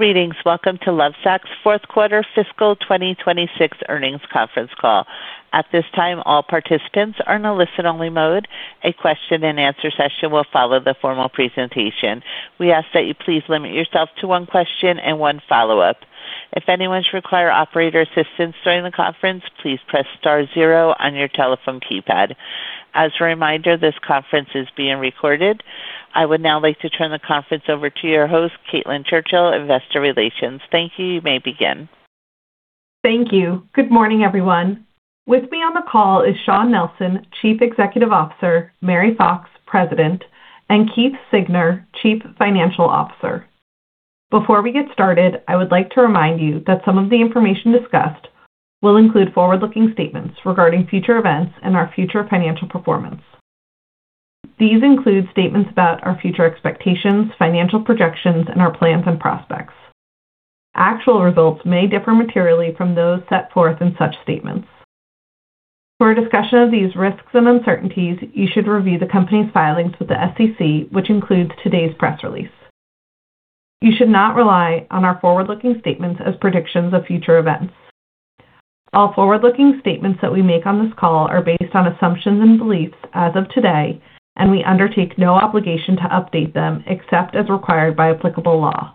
Greetings. Welcome to Lovesac's fourth quarter fiscal 2026 earnings conference call. At this time, all participants are in a listen-only mode. A question-and-answer session will follow the formal presentation. We ask that you please limit yourself to one question and one follow-up. If anyone should require operator assistance during the conference, please press star zero on your telephone keypad. As a reminder, this conference is being recorded. I would now like to turn the conference over to your host, Caitlin Churchill, Investor Relations. Thank you. You may begin. Thank you. Good morning, everyone. With me on the call is Shawn Nelson, Chief Executive Officer, Mary Fox, President, and Keith Siegner, Chief Financial Officer. Before we get started, I would like to remind you that some of the information discussed will include forward-looking statements regarding future events and our future financial performance. These include statements about our future expectations, financial projections, and our plans and prospects. Actual results may differ materially from those set forth in such statements. For a discussion of these risks and uncertainties, you should review the company's filings with the SEC, which includes today's press release. You should not rely on our forward-looking statements as predictions of future events. All forward-looking statements that we make on this call are based on assumptions and beliefs as of today, and we undertake no obligation to update them except as required by applicable law.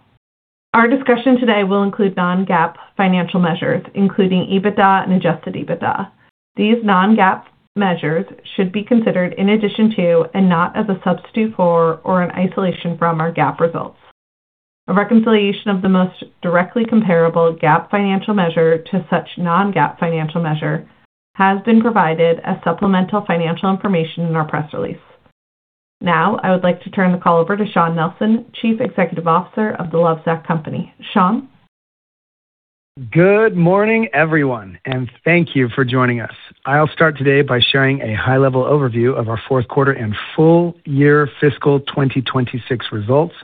Our discussion today will include non-GAAP financial measures, including EBITDA and adjusted EBITDA. These non-GAAP measures should be considered in addition to and not as a substitute for or in isolation from our GAAP results. A reconciliation of the most directly comparable GAAP financial measure to such non-GAAP financial measure has been provided as supplemental financial information in our press release. Now, I would like to turn the call over to Shawn Nelson, Chief Executive Officer of The Lovesac Company. Shawn. Good morning, everyone, and thank you for joining us. I'll start today by sharing a high-level overview of our fourth quarter and full year fiscal 2026 results,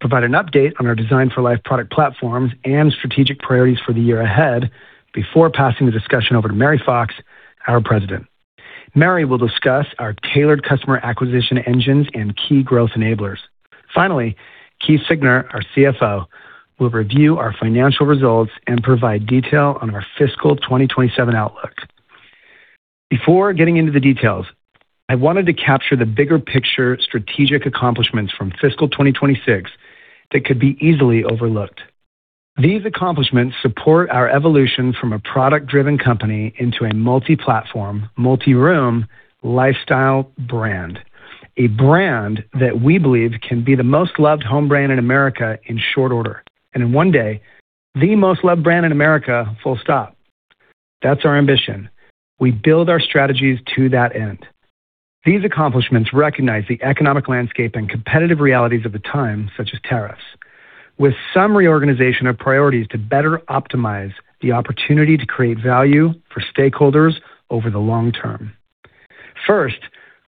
provide an update on our Designed For Life product platforms and strategic priorities for the year ahead before passing the discussion over to Mary Fox, our President. Mary will discuss our tailored customer acquisition engines and key growth enablers. Finally, Keith Siegner, our CFO, will review our financial results and provide detail on our fiscal 2027 outlook. Before getting into the details, I wanted to capture the bigger picture strategic accomplishments from fiscal 2026 that could be easily overlooked. These accomplishments support our evolution from a product-driven company into a multi-platform, multi-room lifestyle brand. A brand that we believe can be the most loved home brand in America in short order, and in one day, the most loved brand in America, full stop. That's our ambition. We build our strategies to that end. These accomplishments recognize the economic landscape and competitive realities of the time, such as tariffs, with some reorganization of priorities to better optimize the opportunity to create value for stakeholders over the long term. First,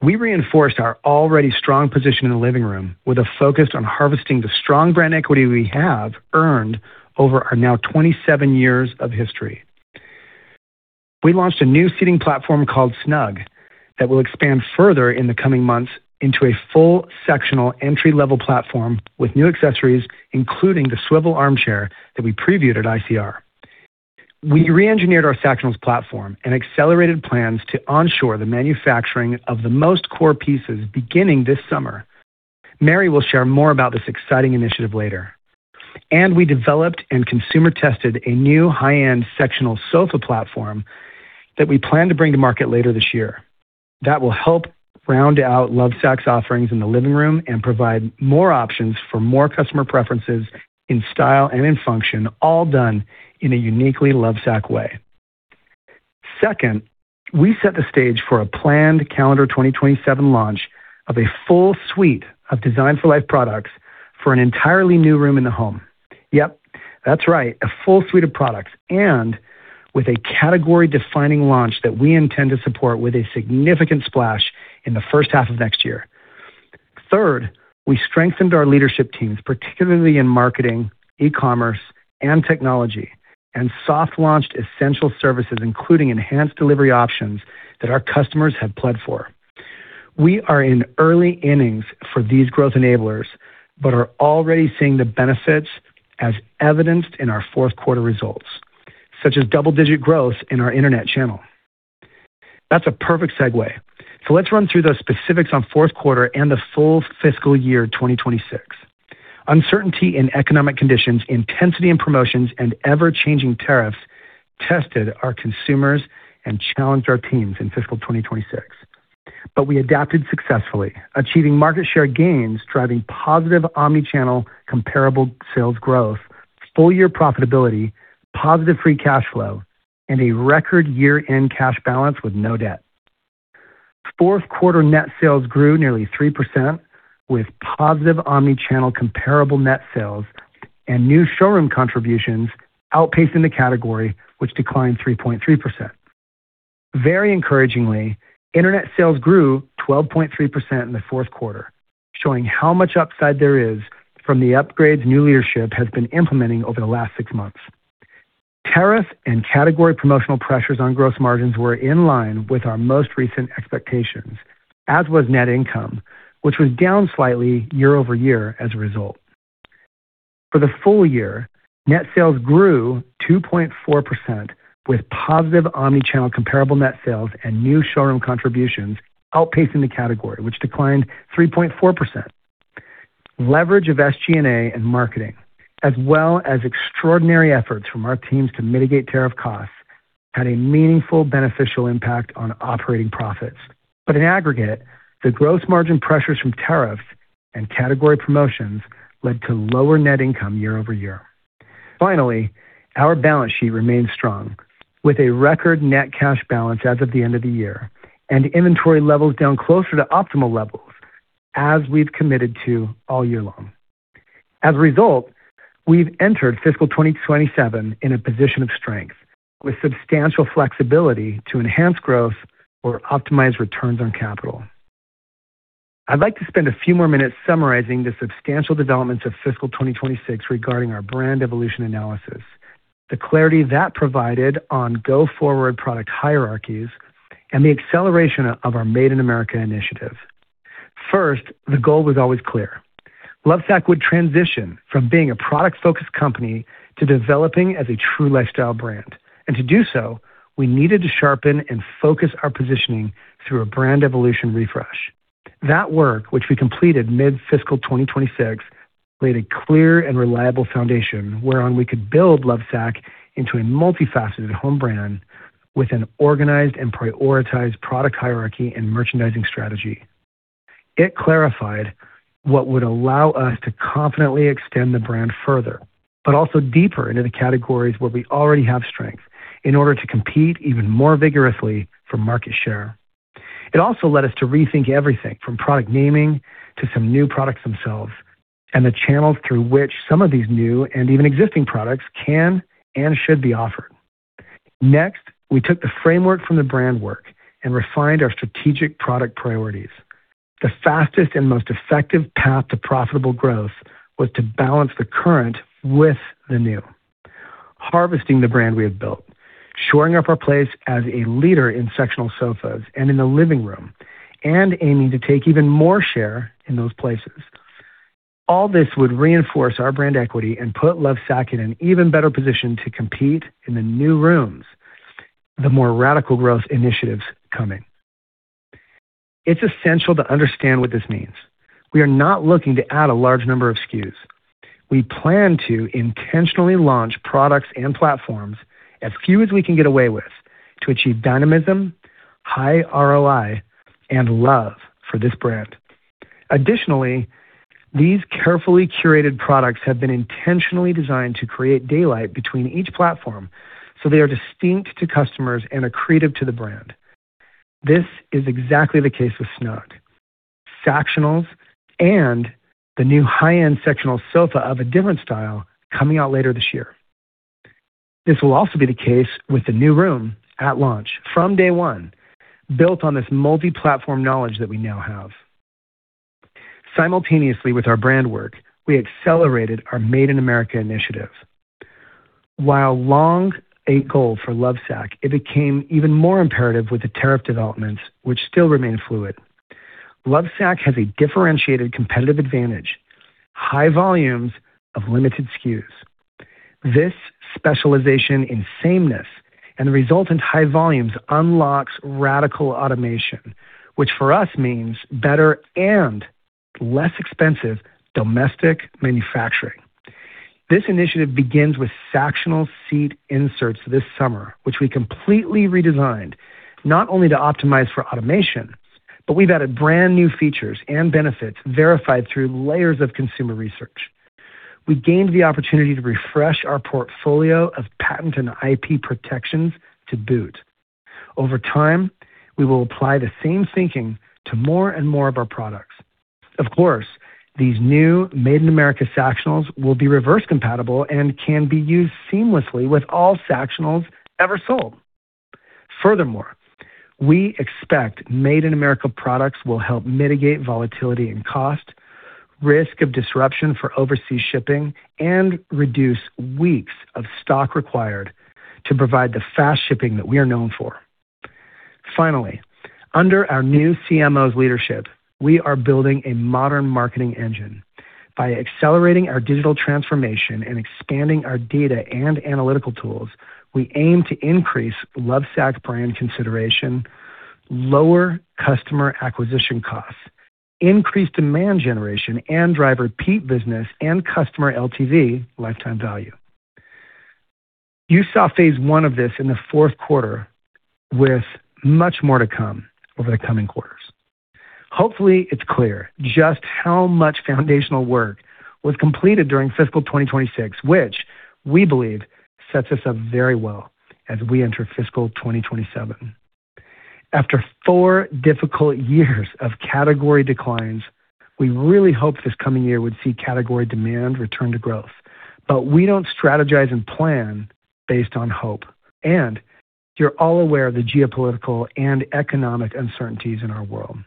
we reinforced our already strong position in the living room with a focus on harvesting the strong brand equity we have earned over our now 27 years of history. We launched a new seating platform called Snugg that will expand further in the coming months into a full sectional entry-level platform with new accessories, including the swivel armchair that we previewed at ICR. We reengineered our Sactionals platform and accelerated plans to onshore the manufacturing of the most core pieces beginning this summer. Mary will share more about this exciting initiative later. We developed and consumer-tested a new high-end sectional sofa platform that we plan to bring to market later this year. That will help round out Lovesac's offerings in the living room and provide more options for more customer preferences in style and in function, all done in a uniquely Lovesac way. Second, we set the stage for a planned calendar 2027 launch of a full suite of Designed For Life products for an entirely new room in the home. Yep, that's right. A full suite of products and with a category-defining launch that we intend to support with a significant splash in the first half of next year. Third, we strengthened our leadership teams, particularly in marketing, e-commerce, and technology, and soft launched essential services, including enhanced delivery options that our customers have pled for. We are in early innings for these growth enablers, but are already seeing the benefits as evidenced in our fourth quarter results, such as double-digit growth in our internet channel. That's a perfect segue. Let's run through the specifics on fourth quarter and the full fiscal year 2026. Uncertainty in economic conditions, intensity in promotions, and ever-changing tariffs tested our consumers and challenged our teams in fiscal 2026. We adapted successfully, achieving market share gains, driving positive omni-channel comparable sales growth, full-year profitability, positive free cash flow, and a record year-end cash balance with no debt. Fourth quarter net sales grew nearly 3%, with positive omni-channel comparable net sales and new showroom contributions outpacing the category, which declined 3.3%. Very encouragingly, internet sales grew 12.3% in the fourth quarter, showing how much upside there is from the upgrades new leadership has been implementing over the last six months. Tariff and category promotional pressures on gross margins were in line with our most recent expectations, as was net income, which was down slightly year-over-year as a result. For the full year, net sales grew 2.4% with positive omni-channel comparable net sales and new showroom contributions outpacing the category, which declined 3.4%. Leverage of SG&A and marketing, as well as extraordinary efforts from our teams to mitigate tariff costs, had a meaningful beneficial impact on operating profits. In aggregate, the gross margin pressures from tariffs and category promotions led to lower net income year-over year. Finally, our balance sheet remains strong with a record net cash balance as of the end of the year and inventory levels down closer to optimal levels as we've committed to all year long. As a result, we've entered fiscal 2027 in a position of strength with substantial flexibility to enhance growth or optimize returns on capital. I'd like to spend a few more minutes summarizing the substantial developments of fiscal 2026 regarding our brand evolution analysis, the clarity that provided on go-forward product hierarchies, and the acceleration of our Made in America initiative. First, the goal was always clear. Lovesac would transition from being a product-focused company to developing as a true lifestyle brand. To do so, we needed to sharpen and focus our positioning through a brand evolution refresh. That work, which we completed mid-fiscal 2026, laid a clear and reliable foundation whereon we could build Lovesac into a multifaceted home brand with an organized and prioritized product hierarchy and merchandising strategy. It clarified what would allow us to confidently extend the brand further, but also deeper into the categories where we already have strength in order to compete even more vigorously for market share. It also led us to rethink everything from product naming to some new products themselves, and the channels through which some of these new and even existing products can and should be offered. Next, we took the framework from the brand work and refined our strategic product priorities. The fastest and most effective path to profitable growth was to balance the current with the new, harvesting the brand we have built, shoring up our place as a leader in sectional sofas and in the living room, and aiming to take even more share in those places. All this would reinforce our brand equity and put Lovesac in an even better position to compete in the new rooms, the more radical growth initiatives coming. It's essential to understand what this means. We are not looking to add a large number of SKUs. We plan to intentionally launch products and platforms as few as we can get away with to achieve dynamism, high ROI, and love for this brand. Additionally, these carefully curated products have been intentionally designed to create daylight between each platform, so they are distinct to customers and accretive to the brand. This is exactly the case with Snugg, Sactionals, and the new high-end sectional sofa of a different style coming out later this year. This will also be the case with the new room at launch from day one, built on this multi-platform knowledge that we now have. Simultaneously with our brand work, we accelerated our Made in America initiative. While long a goal for Lovesac, it became even more imperative with the tariff developments, which still remain fluid. Lovesac has a differentiated competitive advantage, high volumes of limited SKUs. This specialization in sameness and the resultant high volumes unlocks radical automation, which for us means better and less expensive domestic manufacturing. This initiative begins with Sactional seat inserts this summer, which we completely redesigned not only to optimize for automation, but we've added brand-new features and benefits verified through layers of consumer research. We gained the opportunity to refresh our portfolio of patent and IP protections to boot. Over time, we will apply the same thinking to more and more of our products. Of course, these new Made in America Sactionals will be reverse compatible and can be used seamlessly with all Sactionals ever sold. Furthermore, we expect Made in America products will help mitigate volatility in cost, risk of disruption for overseas shipping, and reduce weeks of stock required to provide the fast shipping that we are known for. Finally, under our new CMO's leadership, we are building a modern marketing engine. By accelerating our digital transformation and expanding our data and analytical tools, we aim to increase Lovesac brand consideration, lower customer acquisition costs, increase demand generation, and drive repeat business and customer LTV, lifetime value. You saw phase one of this in the fourth quarter with much more to come over the coming quarters. Hopefully, it's clear just how much foundational work was completed during fiscal 2026, which we believe sets us up very well as we enter fiscal 2027. After four difficult years of category declines, we really hoped this coming year would see category demand return to growth. We don't strategize and plan based on hope, and you're all aware of the geopolitical and economic uncertainties in our world.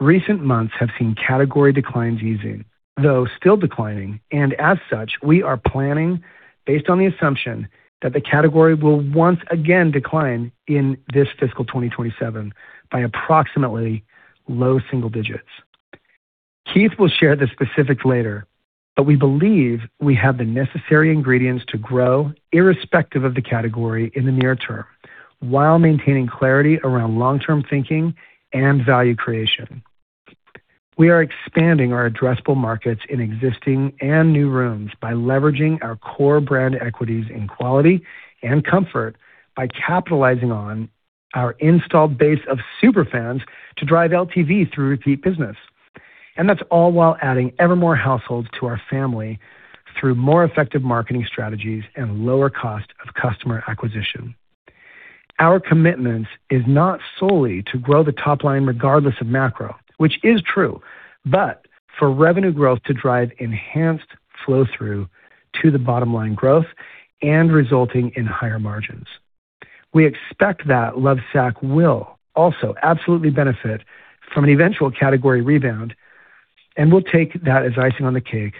Recent months have seen category declines easing, though still declining, and as such, we are planning based on the assumption that the category will once again decline in this fiscal 2027 by approximately low single digits. Keith will share the specifics later, but we believe we have the necessary ingredients to grow irrespective of the category in the near term, while maintaining clarity around long-term thinking and value creation. We are expanding our addressable markets in existing and new rooms by leveraging our core brand equities in quality and comfort by capitalizing on our installed base of super fans to drive LTV through repeat business. That's all while adding ever more households to our family through more effective marketing strategies and lower cost of customer acquisition. Our commitment is not solely to grow the top line regardless of macro, which is true, but for revenue growth to drive enhanced flow through to the bottom line growth and resulting in higher margins. We expect that Lovesac will also absolutely benefit from an eventual category rebound, and we'll take that as icing on the cake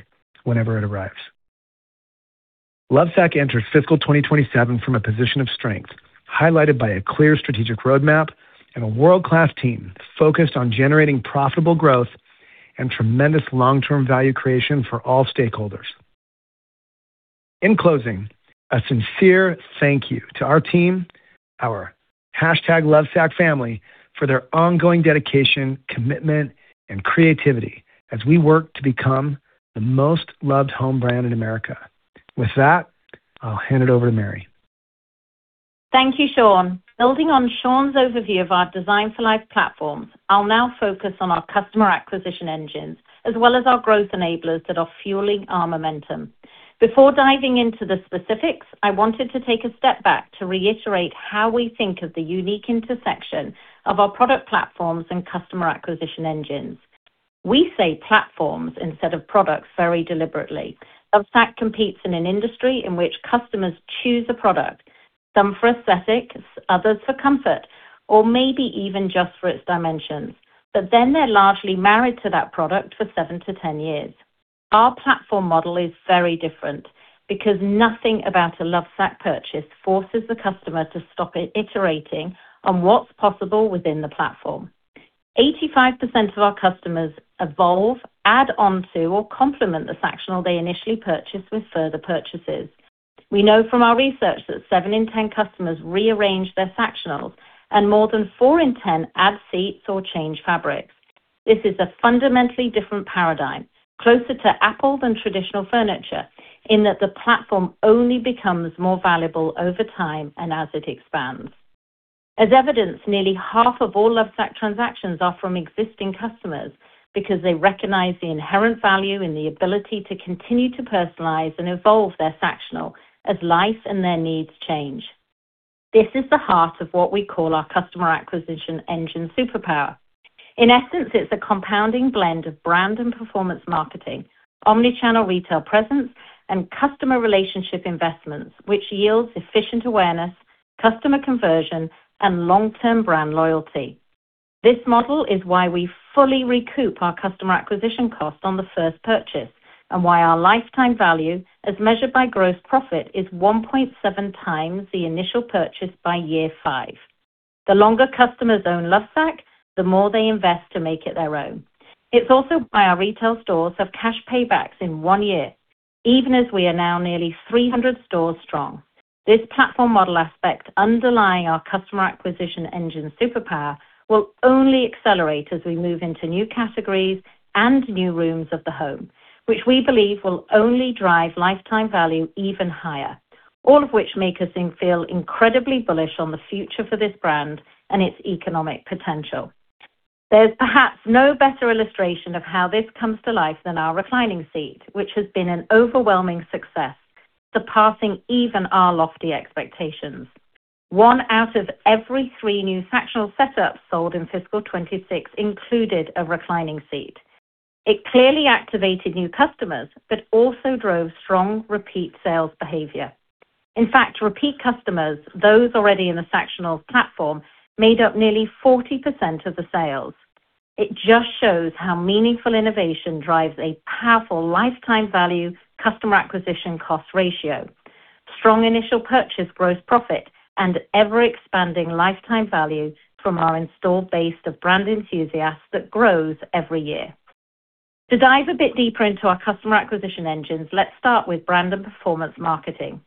whenever it arrives. Lovesac enters fiscal 2027 from a position of strength, highlighted by a clear strategic roadmap and a world-class team focused on generating profitable growth and tremendous long-term value creation for all stakeholders. In closing, a sincere thank you to our team, our #LovesacFamily for their ongoing dedication, commitment and creativity as we work to become the most loved home brand in America. With that, I'll hand it over to Mary. Thank you, Shawn. Building on Shawn's overview of our Designed For Life platforms, I'll now focus on our customer acquisition engines as well as our growth enablers that are fueling our momentum. Before diving into the specifics, I wanted to take a step back to reiterate how we think of the unique intersection of our product platforms and customer acquisition engines. We say platforms instead of products very deliberately. Lovesac competes in an industry in which customers choose a product, some for aesthetics, others for comfort, or maybe even just for its dimensions. They're largely married to that product for seven to 10 years. Our platform model is very different because nothing about a Lovesac purchase forces the customer to stop iterating on what's possible within the platform. 85% of our customers evolve, add on to, or complement the Sactional they initially purchase with further purchases. We know from our research that seven in 10 customers rearrange their Sactionals, and more than four in 10 add seats or change fabrics. This is a fundamentally different paradigm, closer to Apple than traditional furniture, in that the platform only becomes more valuable over time and as it expands. As evidenced, nearly half of all Lovesac transactions are from existing customers because they recognize the inherent value in the ability to continue to personalize and evolve their Sactional as life and their needs change. This is the heart of what we call our customer acquisition engine superpower. In essence, it's a compounding blend of brand and performance marketing, omni-channel retail presence, and customer relationship investments, which yields efficient awareness, customer conversion, and long-term brand loyalty. This model is why we fully recoup our customer acquisition cost on the first purchase, and why our lifetime value, as measured by gross profit, is 1.7x the initial purchase by year five. The longer customers own Lovesac, the more they invest to make it their own. It's also why our retail stores have cash paybacks in one year, even as we are now nearly 300 stores strong. This platform model aspect underlying our customer acquisition engine superpower will only accelerate as we move into new categories and new rooms of the home, which we believe will only drive lifetime value even higher. All of which make us feel incredibly bullish on the future for this brand and its economic potential. There's perhaps no better illustration of how this comes to life than our reclining seat, which has been an overwhelming success, surpassing even our lofty expectations. One half of new Sactional setups sold in fiscal 2026 included a reclining seat. It clearly activated new customers, but also drove strong repeat sales behavior. In fact, repeat customers, those already in the Sactionals platform, made up nearly 40% of the sales. It just shows how meaningful innovation drives a powerful lifetime value customer acquisition cost ratio. Strong initial purchase gross profit and ever-expanding lifetime value from our installed base of brand enthusiasts that grows every year. To dive a bit deeper into our customer acquisition engines, let's start with brand and performance marketing.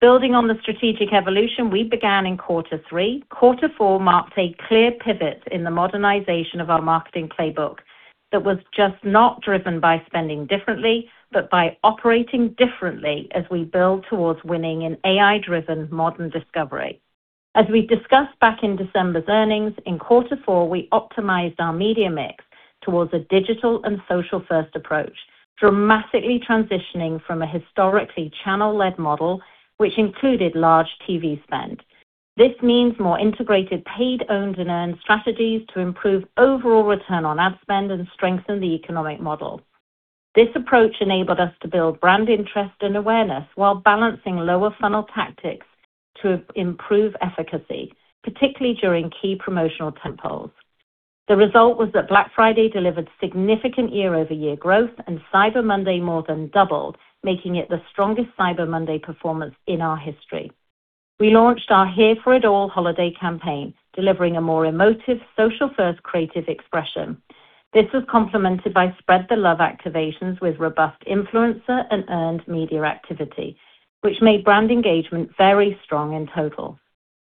Building on the strategic evolution we began in quarter three, quarter four marked a clear pivot in the modernization of our marketing playbook that was just not driven by spending differently, but by operating differently as we build towards winning in AI-driven modern discovery. As we discussed back in December's earnings, in quarter four, we optimized our media mix towards a digital and social first approach, dramatically transitioning from a historically channel-led model, which included large TV spend. This means more integrated, paid, owned and earned strategies to improve overall return on ad spend and strengthen the economic model. This approach enabled us to build brand interest and awareness while balancing lower funnel tactics to improve efficacy, particularly during key promotional tentpoles. The result was that Black Friday delivered significant year-over-year growth, and Cyber Monday more than doubled, making it the strongest Cyber Monday performance in our history. We launched our Here for It All holiday campaign, delivering a more emotive social-first creative expression. This was complemented by Spread the Love activations with robust influencer and earned media activity, which made brand engagement very strong in total.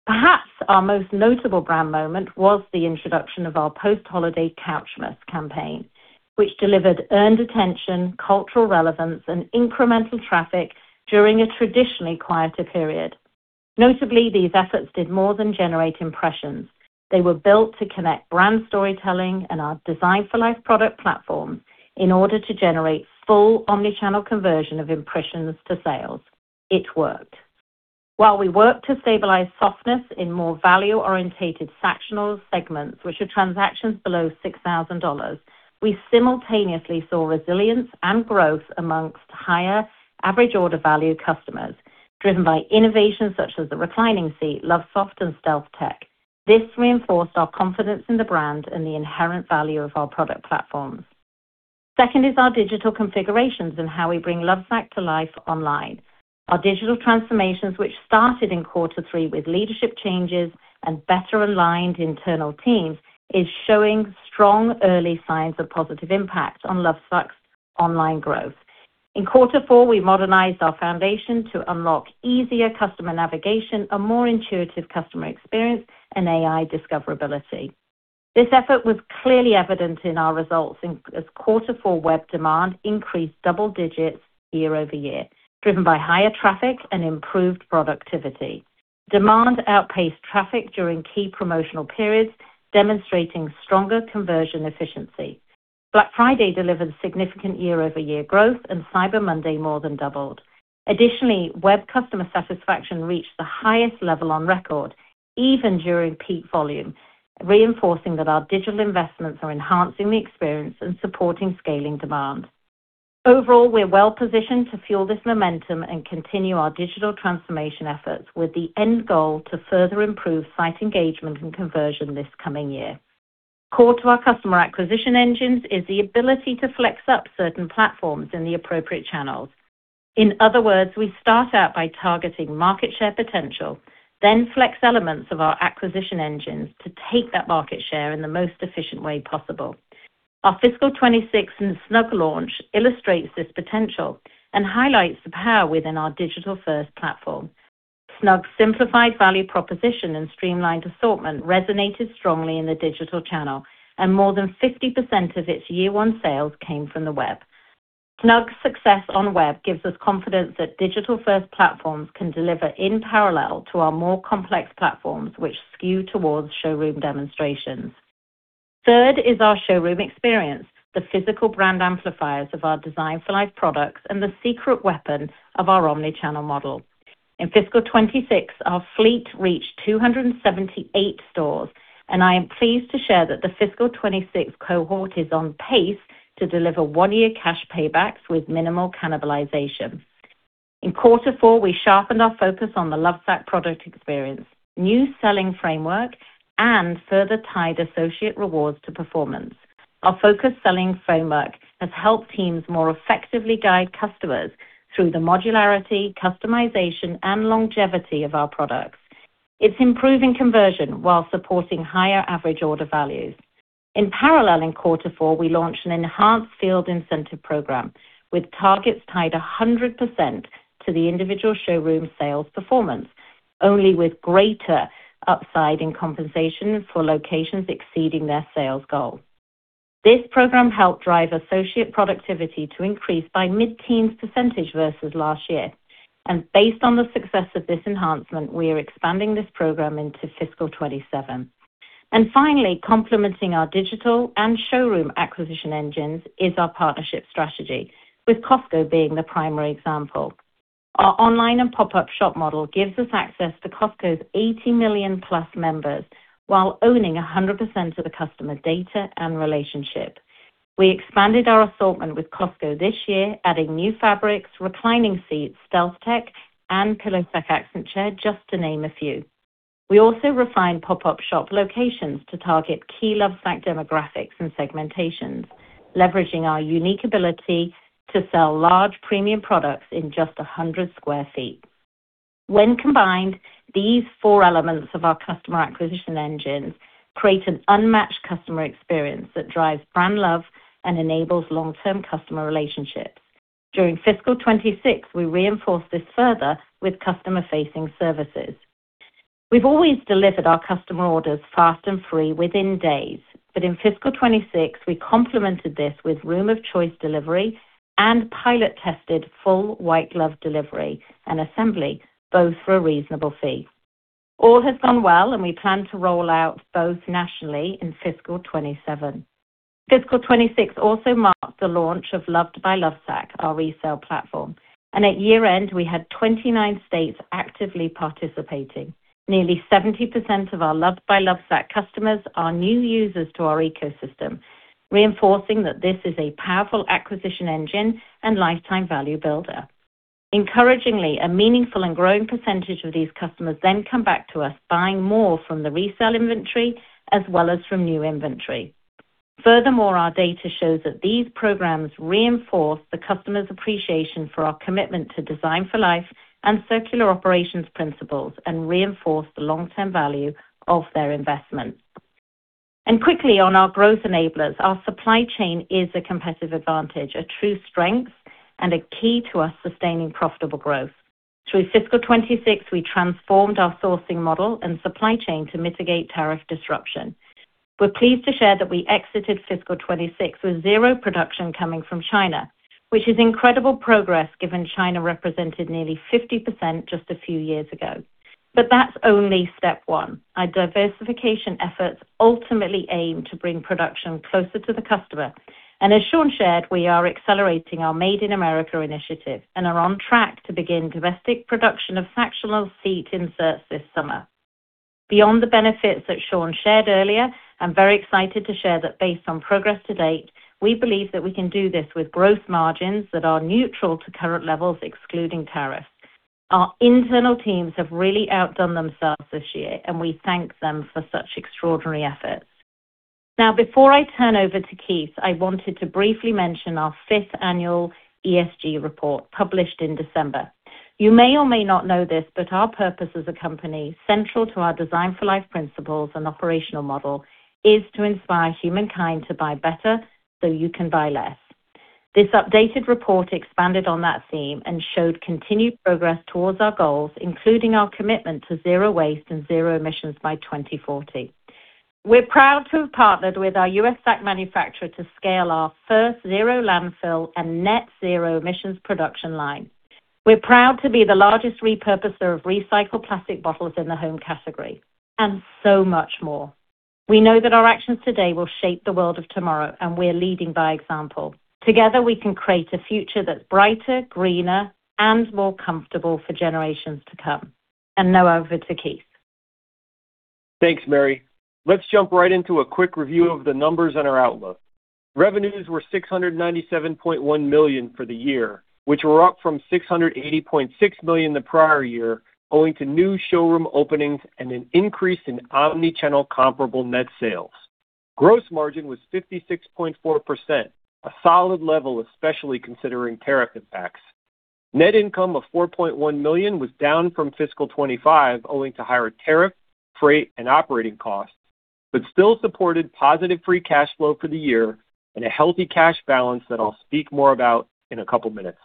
Perhaps our most notable brand moment was the introduction of our post-holiday Couchmas campaign, which delivered earned attention, cultural relevance, and incremental traffic during a traditionally quieter period. Notably, these efforts did more than generate impressions. They were built to connect brand storytelling and our Designed For Life product platform in order to generate full omni-channel conversion of impressions to sales. It worked. While we worked to stabilize softness in more value-orientated Sactional segments, which are transactions below $6,000, we simultaneously saw resilience and growth amongst higher average order value customers, driven by innovations such as the reclining seat, Lovesoft and StealthTech. This reinforced our confidence in the brand and the inherent value of our product platforms. Second is our digital configurations and how we bring Lovesac to life online. Our digital transformations, which started in quarter three with leadership changes and better aligned internal teams, is showing strong early signs of positive impact on Lovesac's online growth. In quarter four, we modernized our foundation to unlock easier customer navigation, a more intuitive customer experience, and AI discoverability. This effort was clearly evident in our results as quarter four web demand increased double digits year-over-year, driven by higher traffic and improved productivity. Demand outpaced traffic during key promotional periods, demonstrating stronger conversion efficiency. Black Friday delivered significant year-over-year growth, and Cyber Monday more than doubled. Additionally, web customer satisfaction reached the highest level on record, even during peak volume, reinforcing that our digital investments are enhancing the experience and supporting scaling demand. Overall, we're well-positioned to fuel this momentum and continue our digital transformation efforts with the end goal to further improve site engagement and conversion this coming year. Core to our customer acquisition engines is the ability to flex up certain platforms in the appropriate channels. In other words, we start out by targeting market share potential, then flex elements of our acquisition engines to take that market share in the most efficient way possible. Our fiscal 2026 and Snugg launch illustrates this potential and highlights the power within our digital-first platform. Snugg's simplified value proposition and streamlined assortment resonated strongly in the digital channel, and more than 50% of its year one sales came from the web. Snugg's success on web gives us confidence that digital-first platforms can deliver in parallel to our more complex platforms, which skew towards showroom demonstrations. Third is our showroom experience, the physical brand amplifiers of our Designed For Life products and the secret weapon of our omni-channel model. In fiscal 2026, our fleet reached 278 stores, and I am pleased to share that the fiscal 2026 cohort is on pace to deliver one-year cash paybacks with minimal cannibalization. In quarter four, we sharpened our focus on the Lovesac product experience, new selling framework, and further tied associate rewards to performance. Our focused selling framework has helped teams more effectively guide customers through the modularity, customization, and longevity of our products. It's improving conversion while supporting higher average order values. In parallel, in quarter four, we launched an enhanced field incentive program with targets tied 100% to the individual showroom sales performance, only with greater upside in compensation for locations exceeding their sales goals. This program helped drive associate productivity to increase by mid-teens% versus last year. Based on the success of this enhancement, we are expanding this program into fiscal 2027. Finally, complementing our digital and showroom acquisition engines is our partnership strategy, with Costco being the primary example. Our online and pop-up shop model gives us access to Costco's 80 million-plus members while owning 100% of the customer data and relationship. We expanded our assortment with Costco this year, adding new fabrics, reclining seats, StealthTech, and PillowSac Accent Chair, just to name a few. We also refined pop-up shop locations to target key Lovesac demographics and segmentations, leveraging our unique ability to sell large premium products in just 100 square feet. When combined, these four elements of our customer acquisition engine create an unmatched customer experience that drives brand love and enables long-term customer relationships. During fiscal 2026, we reinforced this further with customer-facing services. We've always delivered our customer orders fast and free within days, but in fiscal 2026 we complemented this with room-of-choice delivery and pilot-tested full white glove delivery and assembly, both for a reasonable fee. All has gone well, and we plan to roll out both nationally in fiscal 2027. Fiscal 2026 also marked the launch of Loved by Lovesac, our resale platform. At year-end, we had 29 states actively participating. Nearly 70% of our Loved by Lovesac customers are new users to our ecosystem, reinforcing that this is a powerful acquisition engine and lifetime value builder. Encouragingly, a meaningful and growing percentage of these customers then come back to us buying more from the resale inventory as well as from new inventory. Furthermore, our data shows that these programs reinforce the customer's appreciation for our commitment to Designed For Life and circular operations principles and reinforce the long-term value of their investment. Quickly on our growth enablers, our supply chain is a competitive advantage, a true strength, and a key to us sustaining profitable growth. Through fiscal 2026, we transformed our sourcing model and supply chain to mitigate tariff disruption. We're pleased to share that we exited fiscal 2026 with zero production coming from China, which is incredible progress given China represented nearly 50% just a few years ago. That's only step one. Our diversification efforts ultimately aim to bring production closer to the customer. As Shawn shared, we are accelerating our Made in America initiative and are on track to begin domestic production of Sactional seat inserts this summer. Beyond the benefits that Shawn shared earlier, I'm very excited to share that based on progress to date, we believe that we can do this with gross margins that are neutral to current levels, excluding tariffs. Our internal teams have really outdone themselves this year, and we thank them for such extraordinary efforts. Now, before I turn over to Keith, I wanted to briefly mention our fifth annual ESG report published in December. You may or may not know this, but our purpose as a company, central to our Designed For Life principles and operational model, is to inspire humankind to buy better so you can buy less. This updated report expanded on that theme and showed continued progress towards our goals, including our commitment to zero waste and zero emissions by 2040. We're proud to have partnered with our U.S. Sac manufacturer to scale our first zero landfill and net zero emissions production line. We're proud to be the largest repurposer of recycled plastic bottles in the home category, and so much more. We know that our actions today will shape the world of tomorrow, and we're leading by example. Together, we can create a future that's brighter, greener, and more comfortable for generations to come. Now over to Keith. Thanks, Mary. Let's jump right into a quick review of the numbers and our outlook. Revenues were $697.1 million for the year, which were up from $680.6 million the prior year, owing to new showroom openings and an increase in omni-channel comparable net sales. Gross margin was 56.4%, a solid level, especially considering tariff impacts. Net income of $4.1 million was down from FY 2025 owing to higher tariff, freight, and operating costs, but still supported positive free cash flow for the year and a healthy cash balance that I'll speak more about in a couple of minutes.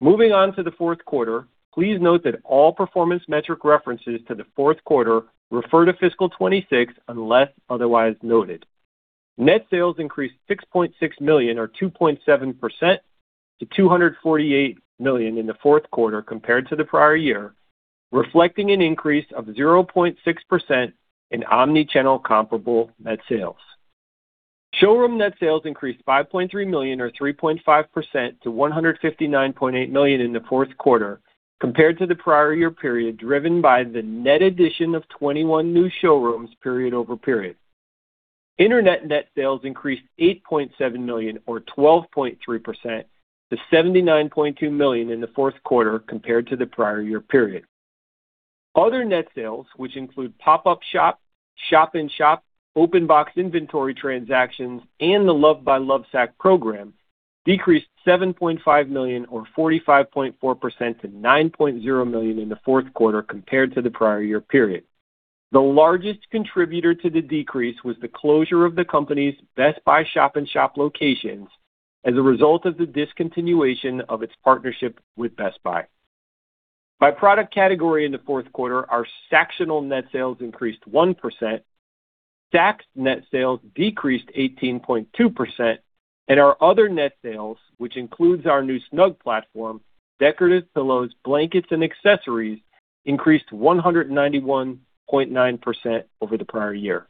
Moving on to the fourth quarter, please note that all performance metric references to the fourth quarter refer to FY 2026 unless otherwise noted. Net sales increased $6.6 million or 2.7% to $248 million in the fourth quarter compared to the prior year, reflecting an increase of 0.6% in omni-channel comparable net sales. Showroom net sales increased $5.3 million or 3.5% to $159.8 million in the fourth quarter compared to the prior year period, driven by the net addition of 21 new showrooms period over period. Internet net sales increased $8.7 million or 12.3% to $79.2 million in the fourth quarter compared to the prior year period. Other net sales, which include pop-up-shop and shop-in-shop, open box inventory transactions, and the Loved by Lovesac program, decreased $7.5 million or 45.4% to $9.0 million in the fourth quarter compared to the prior year period. The largest contributor to the decrease was the closure of the company's Best Buy shop-in-shop locations as a result of the discontinuation of its partnership with Best Buy. By product category in the fourth quarter, our Sactionals net sales increased 1%, Sacs net sales decreased 18.2%, and our other net sales, which includes our new Snugg platform, decorative pillows, blankets, and accessories, increased 191.9% over the prior year.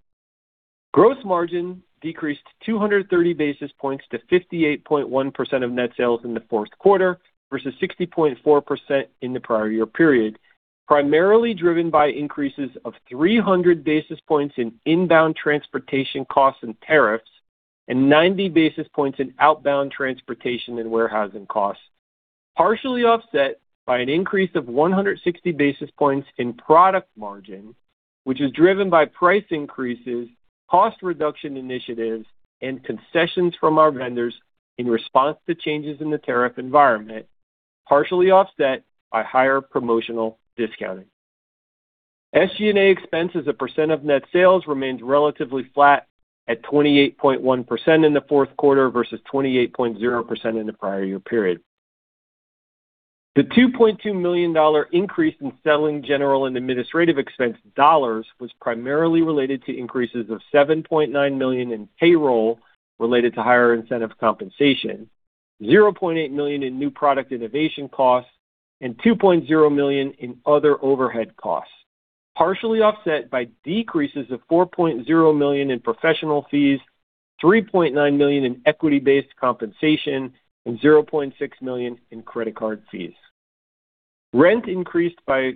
Gross margin decreased 230 basis points to 58.1% of net sales in the fourth quarter versus 60.4% in the prior year period, primarily driven by increases of 300 basis points in inbound transportation costs and tariffs and 90 basis points in outbound transportation and warehousing costs, partially offset by an increase of 160 basis points in product margin, which is driven by price increases, cost reduction initiatives, and concessions from our vendors in response to changes in the tariff environment, partially offset by higher promotional discounting. SG&A expense as a percent of net sales remained relatively flat at 28.1% in the fourth quarter versus 28.0% in the prior year period. The $2.2 million increase in selling general and administrative expense dollars was primarily related to increases of $7.9 million in payroll related to higher incentive compensation, $0.8 million in new product innovation costs, and $2.0 million in other overhead costs, partially offset by decreases of $4.0 million in professional fees, $3.9 million in equity-based compensation, and $0.6 million in credit card fees. Rent increased by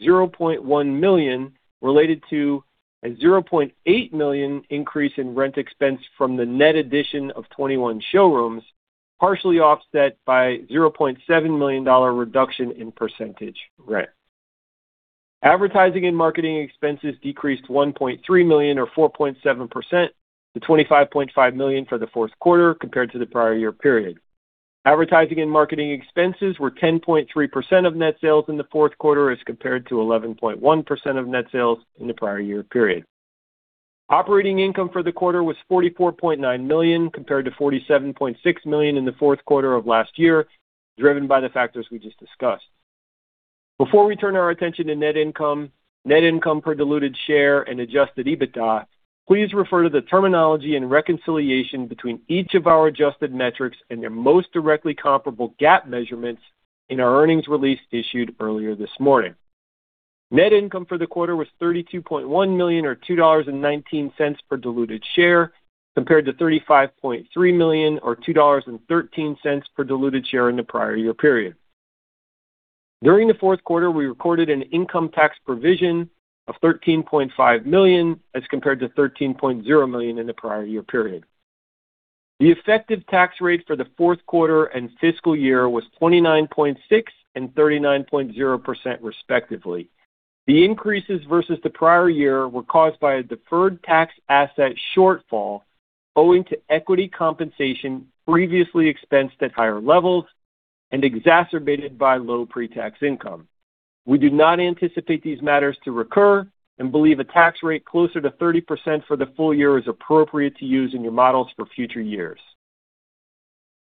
$0.1 million related to a $0.8 million increase in rent expense from the net addition of 21 showrooms, partially offset by $0.7 million reduction in percentage rent. Advertising and marketing expenses decreased $1.3 million or 4.7% to $25.5 million for the fourth quarter compared to the prior year period. Advertising and marketing expenses were 10.3% of net sales in the fourth quarter as compared to 11.1% of net sales in the prior year period. Operating income for the quarter was $44.9 million compared to $47.6 million in the fourth quarter of last year, driven by the factors we just discussed. Before we turn our attention to net income, net income per diluted share, and adjusted EBITDA, please refer to the terminology and reconciliation between each of our adjusted metrics and their most directly comparable GAAP measurements in our earnings release issued earlier this morning. Net income for the quarter was $32.1 million or $2.19 per diluted share, compared to $35.3 million or $2.13 per diluted share in the prior year period. During the fourth quarter, we recorded an income tax provision of $13.5 million as compared to $13.0 million in the prior year period. The effective tax rate for the fourth quarter and fiscal year was 29.6% and 39.0%, respectively. The increases versus the prior year were caused by a deferred tax asset shortfall owing to equity compensation previously expensed at higher levels and exacerbated by low pre-tax income. We do not anticipate these matters to recur and believe a tax rate closer to 30% for the full year is appropriate to use in your models for future years.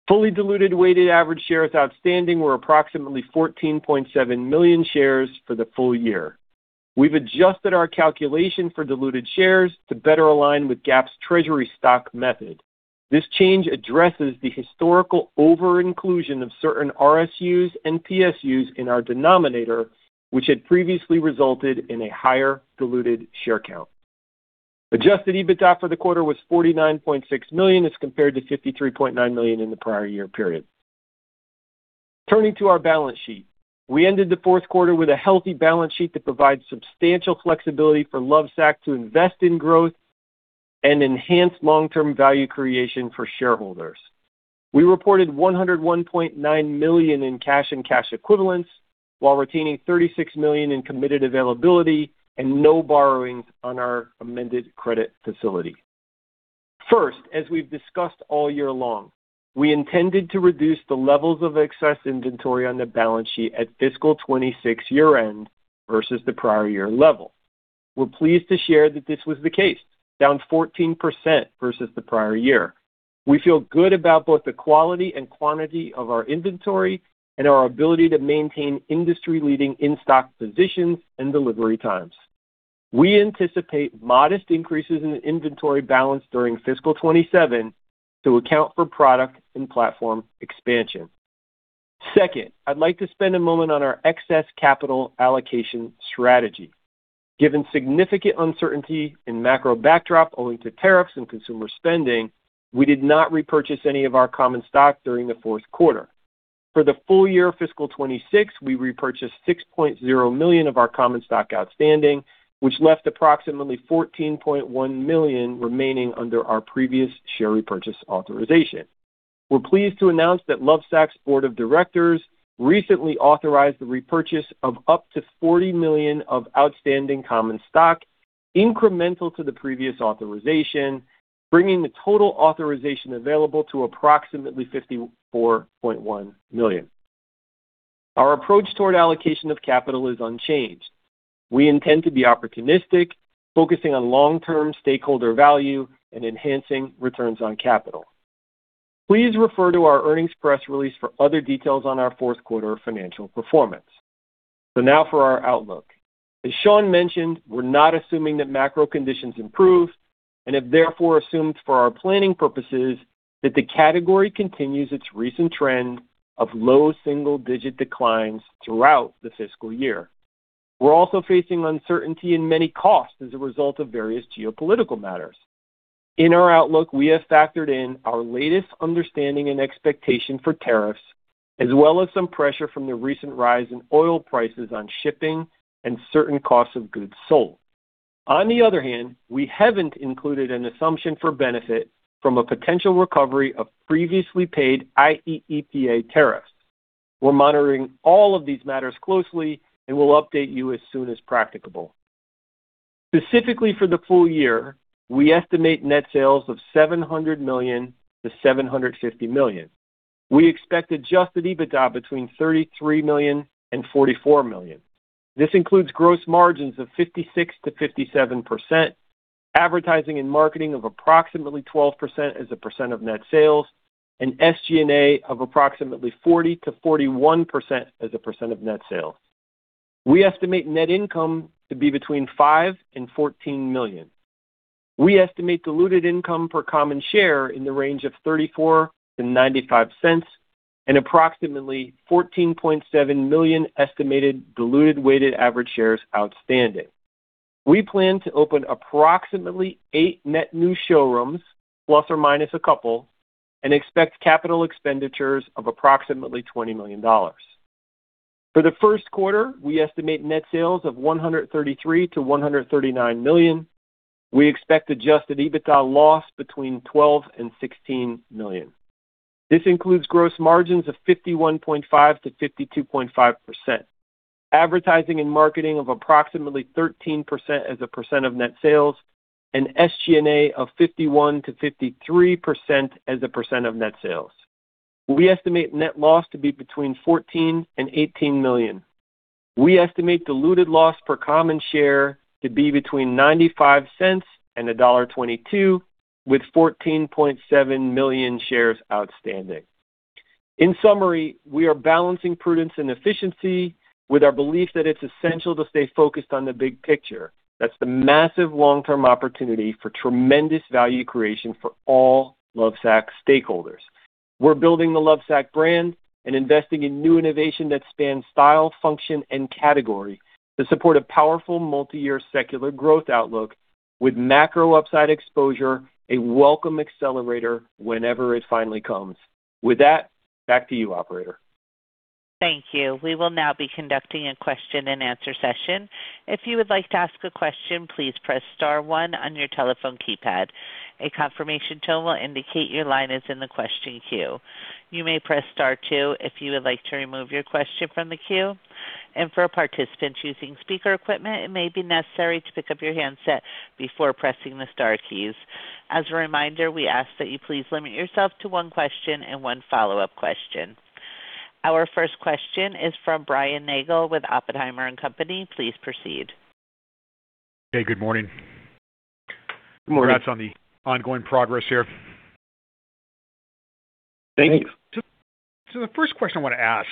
Fully diluted weighted average shares outstanding were approximately 14.7 million shares for the full year. We've adjusted our calculation for diluted shares to better align with GAAP's treasury stock method. This change addresses the historical over-inclusion of certain RSUs and PSUs in our denominator, which had previously resulted in a higher diluted share count. Adjusted EBITDA for the quarter was $49.6 million as compared to $53.9 million in the prior year period. Turning to our balance sheet. We ended the fourth quarter with a healthy balance sheet that provides substantial flexibility for Lovesac to invest in growth and enhance long-term value creation for shareholders. We reported $101.9 million in cash and cash equivalents while retaining $36 million in committed availability and no borrowings on our amended credit facility. First, as we've discussed all year long, we intended to reduce the levels of excess inventory on the balance sheet at fiscal 2026 year-end versus the prior year level. We're pleased to share that this was the case, down 14% versus the prior year. We feel good about both the quality and quantity of our inventory and our ability to maintain industry-leading in-stock positions and delivery times. We anticipate modest increases in the inventory balance during fiscal 2027 to account for product and platform expansion. Second, I'd like to spend a moment on our excess capital allocation strategy. Given significant uncertainty in macro backdrop owing to tariffs and consumer spending, we did not repurchase any of our common stock during the fourth quarter. For the full year fiscal 2026, we repurchased 6.0 million of our common stock outstanding, which left approximately 14.1 million remaining under our previous share repurchase authorization. We're pleased to announce that Lovesac's board of directors recently authorized the repurchase of up to 40 million of outstanding common stock incremental to the previous authorization, bringing the total authorization available to approximately 54.1 million. Our approach toward allocation of capital is unchanged. We intend to be opportunistic, focusing on long-term stakeholder value and enhancing returns on capital. Please refer to our earnings press release for other details on our fourth quarter financial performance. Now for our outlook. As Shawn mentioned, we're not assuming that macro conditions improve and have therefore assumed for our planning purposes that the category continues its recent trend of low double digit volumes throughout the fiscal year. We're also facing uncertainty in many costs as a result of various geopolitical matters. In our outlook, we have factored in our latest understanding and expectation for tariffs, as well as some pressure from the recent rise in oil prices on shipping and certain costs of goods sold. On the other hand, we haven't included an assumption for benefit from a potential recovery of previously paid IEEPA tariffs. We're monitoring all of these matters closely, and we'll update you as soon as practicable. Specifically for the full year, we estimate net sales of $700 million-$750 million. We expect adjusted EBITDA between $33 million and $44 million. This includes gross margins of 56%-57%, advertising and marketing of approximately 12% as a percent of net sales, and SG&A of approximately 40%-41% as a percent of net sales. We estimate net income to be between $5 million and $14 million. We estimate diluted income per common share in the range of $0.34-$0.95 and approximately 14.7 million estimated diluted weighted average shares outstanding. We plan to open approximately eight net new showrooms, plus-minus a couple, and expect capital expenditures of approximately $20 million. For the first quarter, we estimate net sales of $133 million-$139 million. We expect adjusted EBITDA loss between $12 million and $16 million. This includes gross margins of 51.5%-52.5%. Advertising and marketing of approximately 13% as a percent of net sales and SG&A of 51%-53% as a percent of net sales. We estimate net loss to be between $14 million and $18 million. We estimate diluted loss per common share to be between $0.95 and $1.22, with 14.7 million shares outstanding. In summary, we are balancing prudence and efficiency with our belief that it's essential to stay focused on the big picture. That's the massive long-term opportunity for tremendous value creation for all Lovesac stakeholders. We're building the Lovesac brand and investing in new innovation that spans style, function, and category to support a powerful multi-year secular growth outlook with macro upside exposure, a welcome accelerator whenever it finally comes. With that, back to you, operator. Thank you. We will now be conducting a question-and-answer session. If you would like to ask a question, please press star one on your telephone keypad. A confirmation tone will indicate your line is in the question queue. You may press star two if you would like to remove your question from the queue. For participants using speaker equipment, it may be necessary to pick up your handset before pressing the star keys. As a reminder, we ask that you please limit yourself to one question and one follow-up question. Our first question is from Brian Nagel with Oppenheimer & Co. Please proceed. Hey, good morning. Good morning. Congrats on the ongoing progress here. Thank you. The first question I want to ask,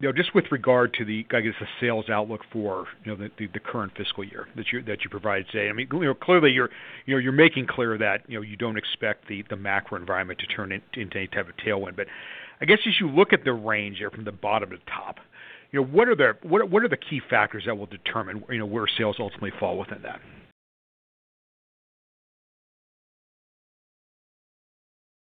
you know, just with regard to, I guess, the sales outlook for, you know, the current fiscal year that you provided today. I mean, you know, clearly you're, you know, you're making clear that, you know, you don't expect the macro environment to turn into any type of tailwind. But I guess as you look at the range from the bottom to the top, you know, what are the key factors that will determine, you know, where sales ultimately fall within that?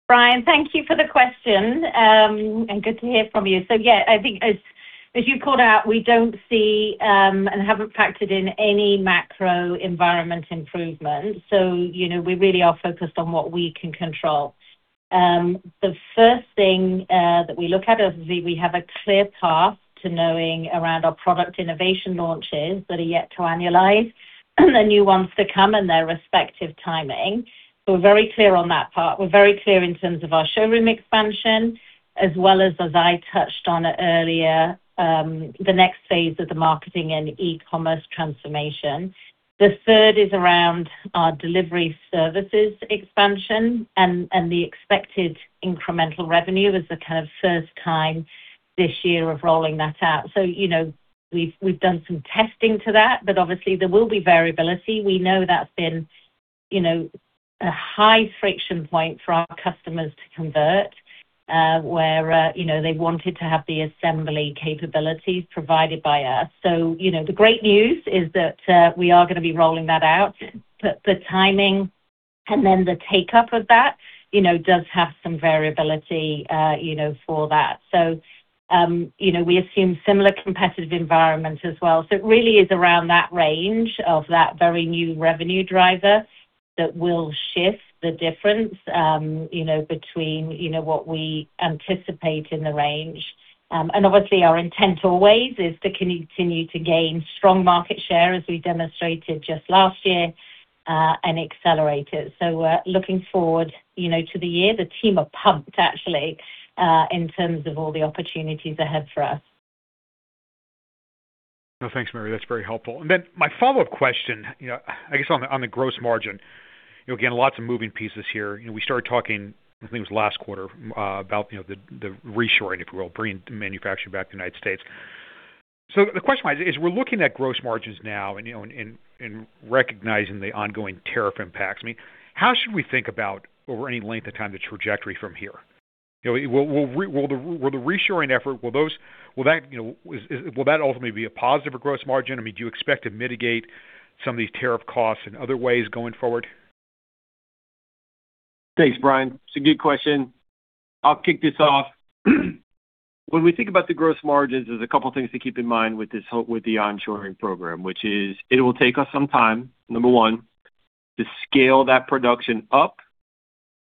Brian, thank you for the question, and good to hear from you. Yeah, I think as you called out, we don't see and haven't factored in any macro environment improvement. You know, we really are focused on what we can control. The first thing that we look at is we have a clear path to knowing around our product innovation launches that are yet to annualize, the new ones to come and their respective timing. We're very clear on that part. We're very clear in terms of our showroom expansion as well as I touched on earlier, the next phase of the marketing and e-commerce transformation. The third is around our delivery services expansion and the expected incremental revenue as the kind of first time this year of rolling that out. You know, we've done some testing to that, but obviously there will be variability. We know that's been, you know, a high friction point for our customers to convert, where, you know, they wanted to have the assembly capabilities provided by us. You know, the great news is that we are gonna be rolling that out. The timing and then the take-up of that, you know, does have some variability, you know, for that. You know, we assume similar competitive environment as well. It really is around that range of that very new revenue driver that will shift the difference, you know, between, you know, what we anticipate in the range. Obviously our intent always is to continue to gain strong market share as we demonstrated just last year, and accelerate it. We're looking forward, you know, to the year. The team are pumped actually in terms of all the opportunities ahead for us. Thanks, Mary. That's very helpful. My follow-up question, you know, I guess on the gross margin, you know, again, lots of moving pieces here. You know, we started talking, I think it was last quarter, about, you know, the reshoring, if you will, bringing manufacturing back to the United States. The question is, we're looking at gross margins now and, you know, recognizing the ongoing tariff impacts. I mean, how should we think about over any length of time, the trajectory from here? You know, will the reshoring effort ultimately be a positive for gross margin? I mean, do you expect to mitigate some of these tariff costs in other ways going forward? Thanks, Brian. It's a good question. I'll kick this off. When we think about the gross margins, there's a couple of things to keep in mind with the onshoring program, which is it will take us some time, number one, to scale that production up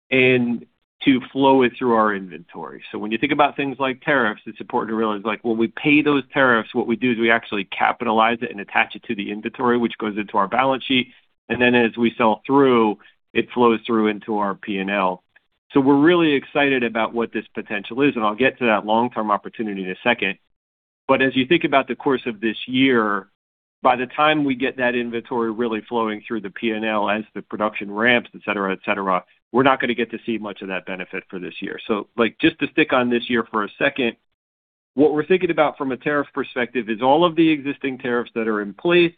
and to flow it through our inventory. When you think about things like tariffs, it's important to realize, like, when we pay those tariffs, what we do is we actually capitalize it and attach it to the inventory, which goes into our balance sheet. Then as we sell through, it flows through into our P&L. We're really excited about what this potential is, and I'll get to that long-term opportunity in a second. As you think about the course of this year, by the time we get that inventory really flowing through the P&L as the production ramps, et cetera, et cetera, we're not gonna get to see much of that benefit for this year. Like, just to stick on this year for a second, what we're thinking about from a tariff perspective is all of the existing tariffs that are in place,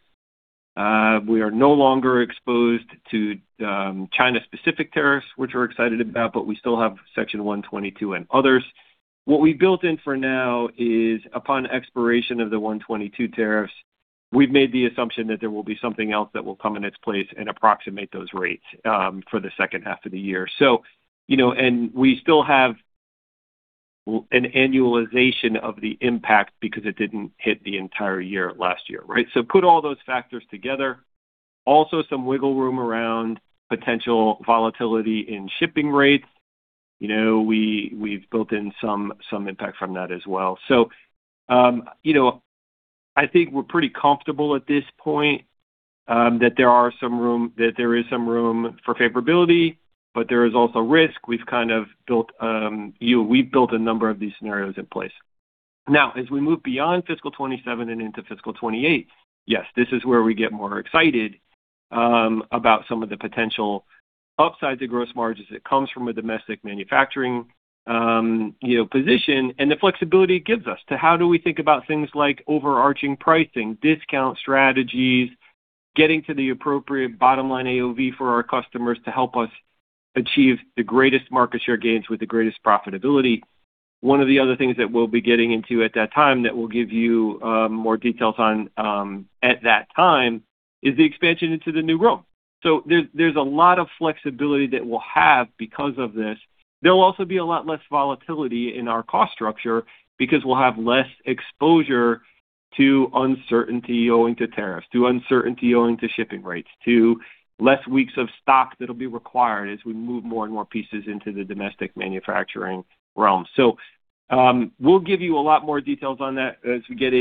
we are no longer exposed to China-specific tariffs, which we're excited about, but we still have Section 122 and others. What we built in for now is upon expiration of the 122 tariffs, we've made the assumption that there will be something else that will come in its place and approximate those rates for the second half of the year. You know, and we still have an annualization of the impact because it didn't hit the entire year last year, right? Put all those factors together. Also some wiggle room around potential volatility in shipping rates. You know, we've built in some impact from that as well. You know, I think we're pretty comfortable at this point that there is some room for favorability, but there is also risk. We've kind of built a number of these scenarios in place. Now, as we move beyond fiscal 2027 and into fiscal 2028, yes, this is where we get more excited about some of the potential upside to gross margins that comes from a domestic manufacturing position. The flexibility it gives us to how do we think about things like overarching pricing, discount strategies, getting to the appropriate bottom line AOV for our customers to help us achieve the greatest market share gains with the greatest profitability. One of the other things that we'll be getting into at that time that we'll give you, more details on, at that time is the expansion into the new realm. There's a lot of flexibility that we'll have because of this. There will also be a lot less volatility in our cost structure because we'll have less exposure to uncertainty owing to tariffs, to uncertainty owing to shipping rates, to less weeks of stock that'll be required as we move more and more pieces into the domestic manufacturing realm. We'll give you a lot more details on that as we get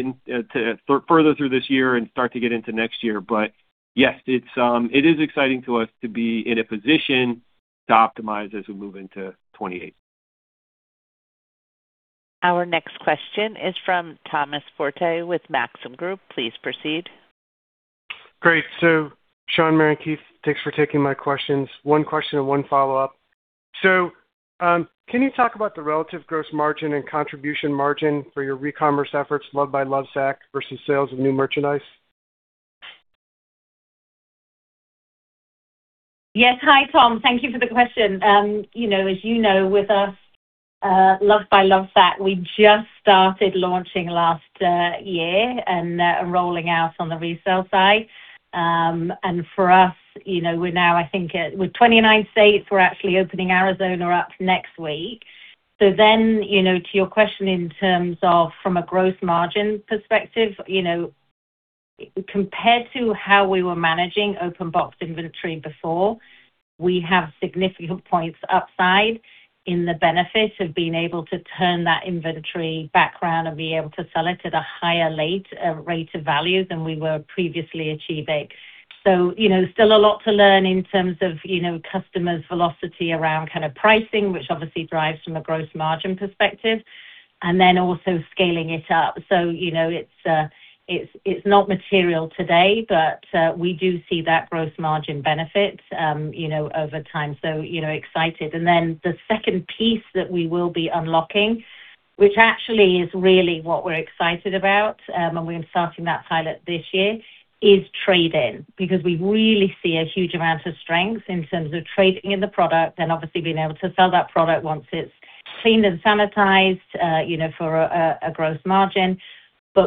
further through this year and start to get into next year. Yes, it is exciting to us to be in a position to optimize as we move into 2028. Our next question is from Thomas Forte with Maxim Group. Please proceed. Great. Shawn, Mary, Keith, thanks for taking my questions. One question and one follow-up. Can you talk about the relative gross margin and contribution margin for your recommerce efforts, Loved by Lovesac versus sales of new merchandise? Yes. Hi, Tom. Thank you for the question. You know, as you know, with us, Loved by Lovesac, we just started launching last year and rolling out on the resale side. For us, you know, we're now, I think, at 29 states, we're actually opening Arizona up next week. You know, to your question in terms of from a gross margin perspective, you know, compared to how we were managing open box inventory before, we have significant points upside in the benefit of being able to turn that inventory around and be able to sell it at a higher rate of value than we were previously achieving. You know, still a lot to learn in terms of, you know, customers' velocity around kind of pricing, which obviously drives from a gross margin perspective, and then also scaling it up. You know, it's not material today, but we do see that gross margin benefit, you know, over time. You know, excited. The second piece that we will be unlocking, which actually is really what we're excited about, and we're starting that pilot this year, is trade-in. Because we really see a huge amount of strength in terms of trading in the product and obviously being able to sell that product once it's cleaned and sanitized, you know, for a gross margin.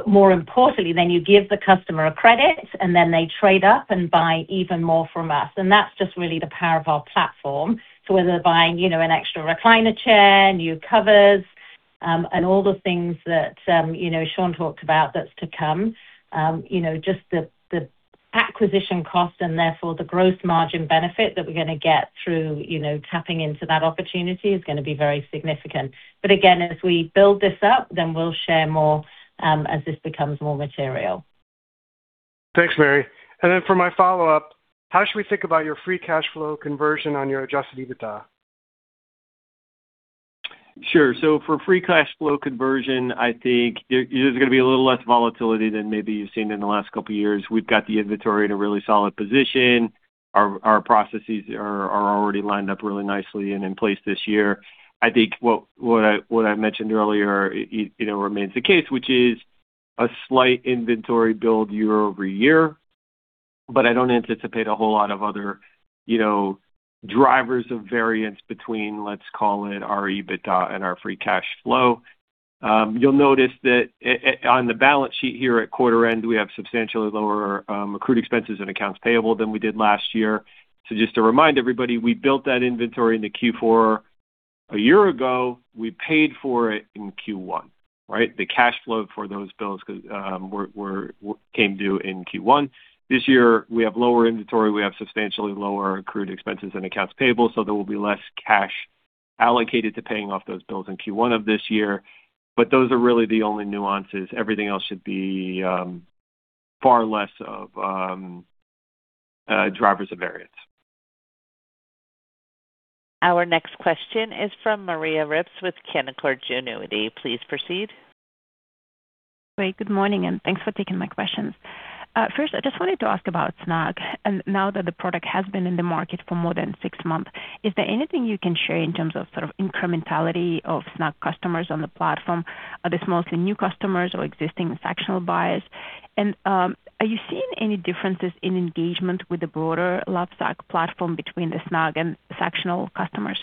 More importantly, then you give the customer a credit, and then they trade up and buy even more from us. That's just really the power of our platform. Whether they're buying, you know, an extra recliner chair, new covers, and all the things that, you know, Shawn talked about that's to come, you know, just the acquisition cost and therefore the gross margin benefit that we're gonna get through, you know, tapping into that opportunity is gonna be very significant. Again, as we build this up, we'll share more as this becomes more material. Thanks, Mary. For my follow-up, how should we think about your free cash flow conversion on your adjusted EBITDA? Sure. For free cash flow conversion, I think there's gonna be a little less volatility than maybe you've seen in the last couple of years. We've got the inventory in a really solid position. Our processes are already lined up really nicely and in place this year. I think what I mentioned earlier, you know, remains the case, which is a slight inventory build year-over-year. I don't anticipate a whole lot of other, you know, drivers of variance between, let's call it our EBITDA and our free cash flow. You'll notice that on the balance sheet here at quarter end, we have substantially lower accrued expenses and accounts payable than we did last year. Just to remind everybody, we built that inventory in the Q4 a year ago. We paid for it in Q1. Right? The cash flow for those bills came due in Q1. This year, we have lower inventory. We have substantially lower accrued expenses and accounts payable, so there will be less cash allocated to paying off those bills in Q1 of this year. Those are really the only nuances. Everything else should be far less of drivers of variance. Our next question is from Maria Ripps with Canaccord Genuity. Please proceed. Great. Good morning, and thanks for taking my questions. First, I just wanted to ask about Snugg. Now that the product has been in the market for more than six months, is there anything you can share in terms of sort of incrementality of Snugg customers on the platform? Are these mostly new customers or existing Sactional buyers? Are you seeing any differences in engagement with the broader Lovesac platform between the Snugg and Sactional customers?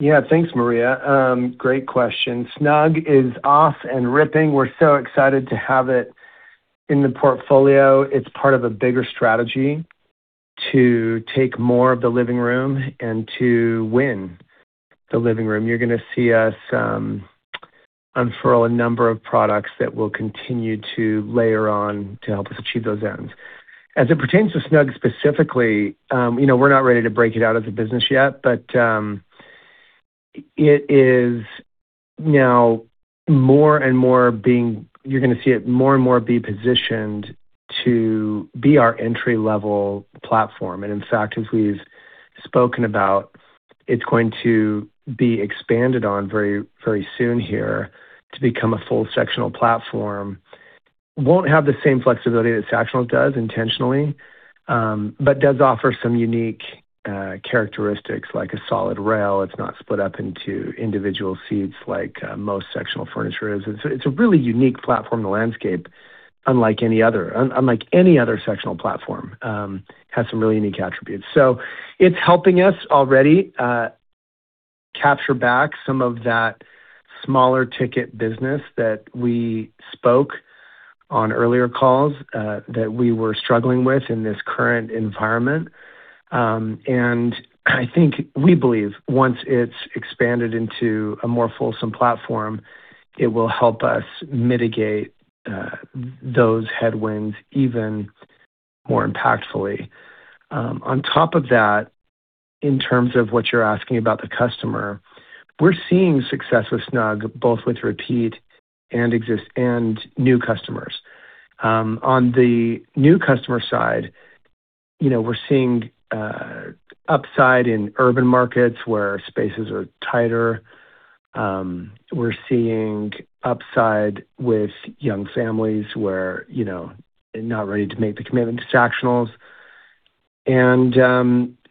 Yeah. Thanks, Maria. Great question. Snugg is off and running. We're so excited to have it in the portfolio. It's part of a bigger strategy to take more of the living room and to win the living room. You're gonna see us unfurl a number of products that will continue to layer on to help us achieve those ends. As it pertains to Snugg specifically, you know, we're not ready to break it out as a business yet, but it is now more and more. You're gonna see it more and more be positioned to be our entry-level platform. In fact, as we've spoken about, it's going to be expanded on very, very soon here to become a full sectional platform. Won't have the same flexibility that Sactional does intentionally, but does offer some unique characteristics, like a solid rail. It's not split up into individual seats like most sectional furniture is. It's a really unique platform in the landscape unlike any other. Unlike any other sectional platform. It has some really unique attributes. It's helping us already capture back some of that smaller ticket business that we spoke on earlier calls that we were struggling with in this current environment. I think we believe once it's expanded into a more fulsome platform, it will help us mitigate those headwinds even more impactfully. On top of that, in terms of what you're asking about the customer, we're seeing success with Snugg, both with repeat and new customers. On the new customer side, you know, we're seeing upside in urban markets where spaces are tighter. We're seeing upside with young families where, you know, they're not ready to make the commitment to Sactionals.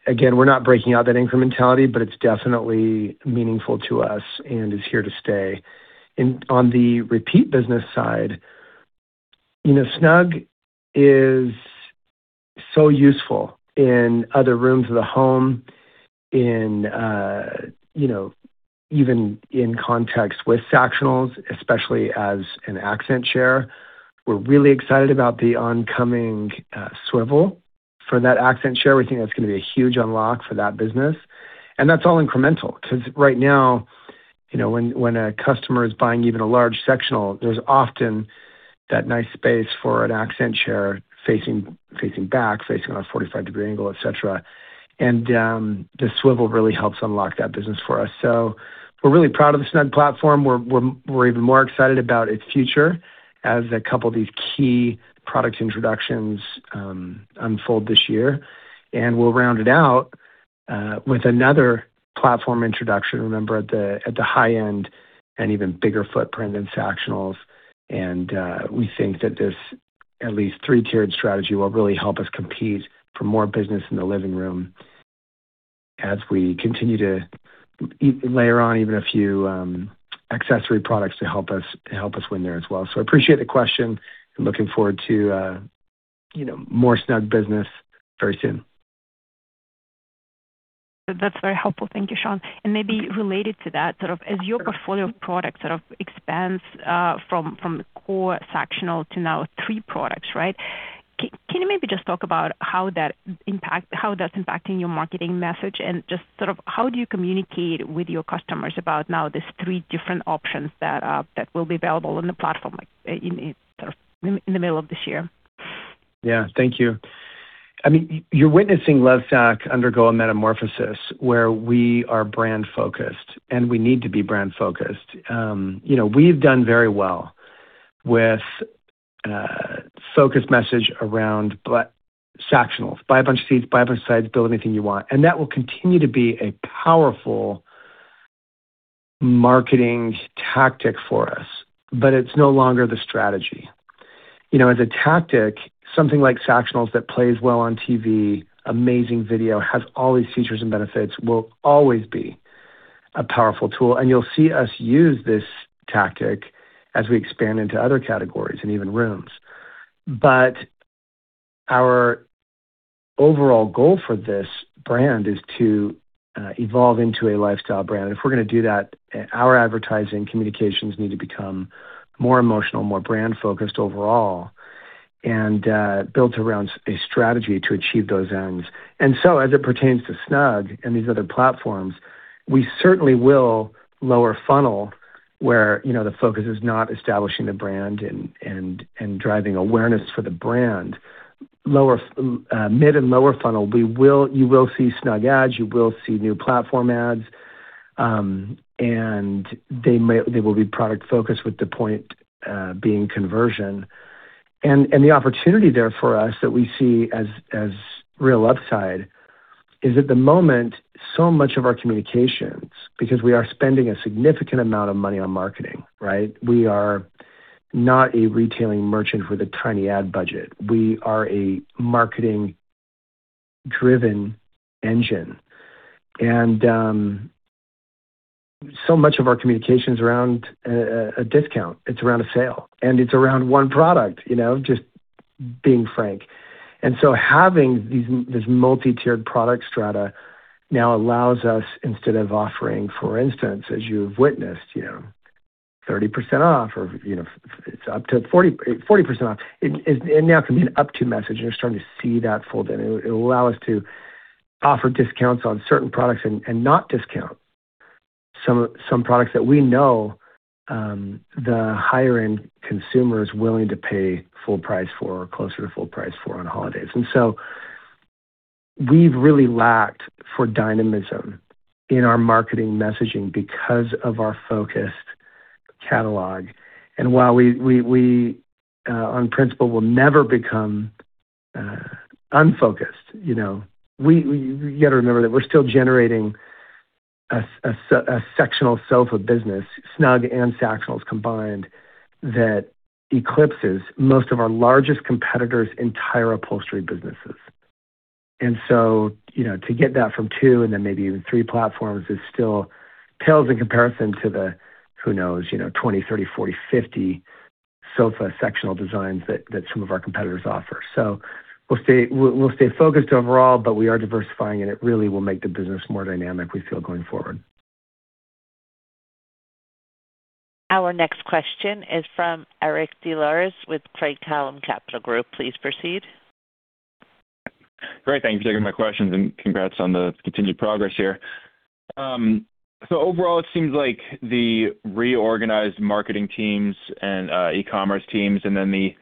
Again, we're not breaking out that incrementality, but it's definitely meaningful to us and is here to stay. On the repeat business side, you know, Snugg is so useful in other rooms of the home in, you know, even in context with Sactionals, especially as an accent chair. We're really excited about the oncoming swivel for that accent chair. We think that's gonna be a huge unlock for that business, and that's all incremental because right now, you know, when a customer is buying even a large Sactional, there's often that nice space for an accent chair facing back, facing on a 45-degree angle, et cetera. The swivel really helps unlock that business for us. We're really proud of the Snugg platform. We're even more excited about its future as a couple of these key product introductions unfold this year. We'll round it out with another platform introduction, remember, at the high end and even bigger footprint than Sactionals. We think that this at least three-tiered strategy will really help us compete for more business in the living room as we continue to layer on even a few accessory products to help us win there as well. Appreciate the question and looking forward to, you know, more Snugg business very soon. That's very helpful. Thank you, Shawn. Maybe related to that, sort of as your portfolio of products sort of expands from the core Sactional to now three products, right? Can you maybe just talk about how that's impacting your marketing message and just sort of how do you communicate with your customers about now these three different options that will be available on the platform, like in the middle of this year? Yeah. Thank you. I mean, you're witnessing Lovesac undergo a metamorphosis where we are brand focused, and we need to be brand focused. You know, we've done very well with a focused message around Sactionals. Buy a bunch of seats, buy a bunch of sides, build anything you want. That will continue to be a powerful marketing tactic for us, but it's no longer the strategy. You know, as a tactic, something like Sactionals that plays well on TV, amazing video, has all these features and benefits, will always be a powerful tool. You'll see us use this tactic as we expand into other categories and even rooms. Our overall goal for this brand is to evolve into a lifestyle brand. If we're gonna do that, our advertising communications need to become more emotional, more brand focused overall, and built around a strategy to achieve those ends. As it pertains to Snugg and these other platforms, we certainly will lower funnel where, you know, the focus is not establishing the brand and driving awareness for the brand. Mid and lower funnel, you will see Snugg ads, you will see new platform ads, and they will be product focused with the point being conversion. The opportunity there for us that we see as real upside is at the moment, so much of our communications, because we are spending a significant amount of money on marketing, right? We are not a retailing merchant with a tiny ad budget. We are a marketing-driven engine. So much of our communications around a discount, it's around a sale, and it's around one product, you know, just being frank. Having these, this multi-tiered product strata now allows us, instead of offering, for instance, as you've witnessed, you know, 30% off or, you know, it's up to 40% off. It now can be an up to message, and you're starting to see that fold in. It will allow us to offer discounts on certain products and not discount some products that we know, the higher end consumer is willing to pay full price for or closer to full price for on holidays. We've really lacked for dynamism in our marketing messaging because of our focused catalog. While we on principle will never become unfocused, you know, we gotta remember that we're still generating a sectional sofa business, Snugg and Sactionals combined, that eclipses most of our largest competitors' entire upholstery businesses. You know, to get that from two and then maybe even three platforms still pales in comparison to the, who knows, you know, 20, 30, 40, 50 sofa sectional designs that some of our competitors offer. We'll stay focused overall, but we are diversifying, and it really will make the business more dynamic, we feel, going forward. Our next question is from Eric Des Lauriers with Craig-Hallum Capital Group. Please proceed. Great. Thank you for taking my questions and congrats on the continued progress here. Overall, it seems like the reorganized marketing teams and e-commerce teams and then the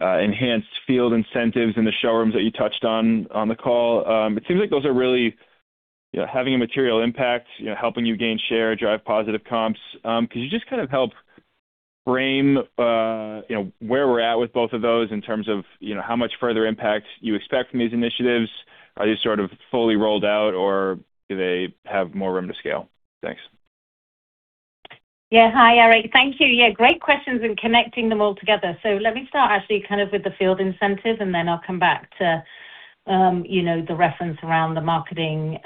enhanced field incentives in the showrooms that you touched on the call, it seems like those are really, you know, having a material impact, you know, helping you gain share, drive positive comps. Could you just kind of help frame, you know, where we're at with both of those in terms of, you know, how much further impact you expect from these initiatives? Are they sort of fully rolled out, or do they have more room to scale? Thanks. Yeah. Hi, Eric. Thank you. Yeah, great questions and connecting them all together. Let me start actually kind of with the field incentive, and then I'll come back to, you know, the reference around the marketing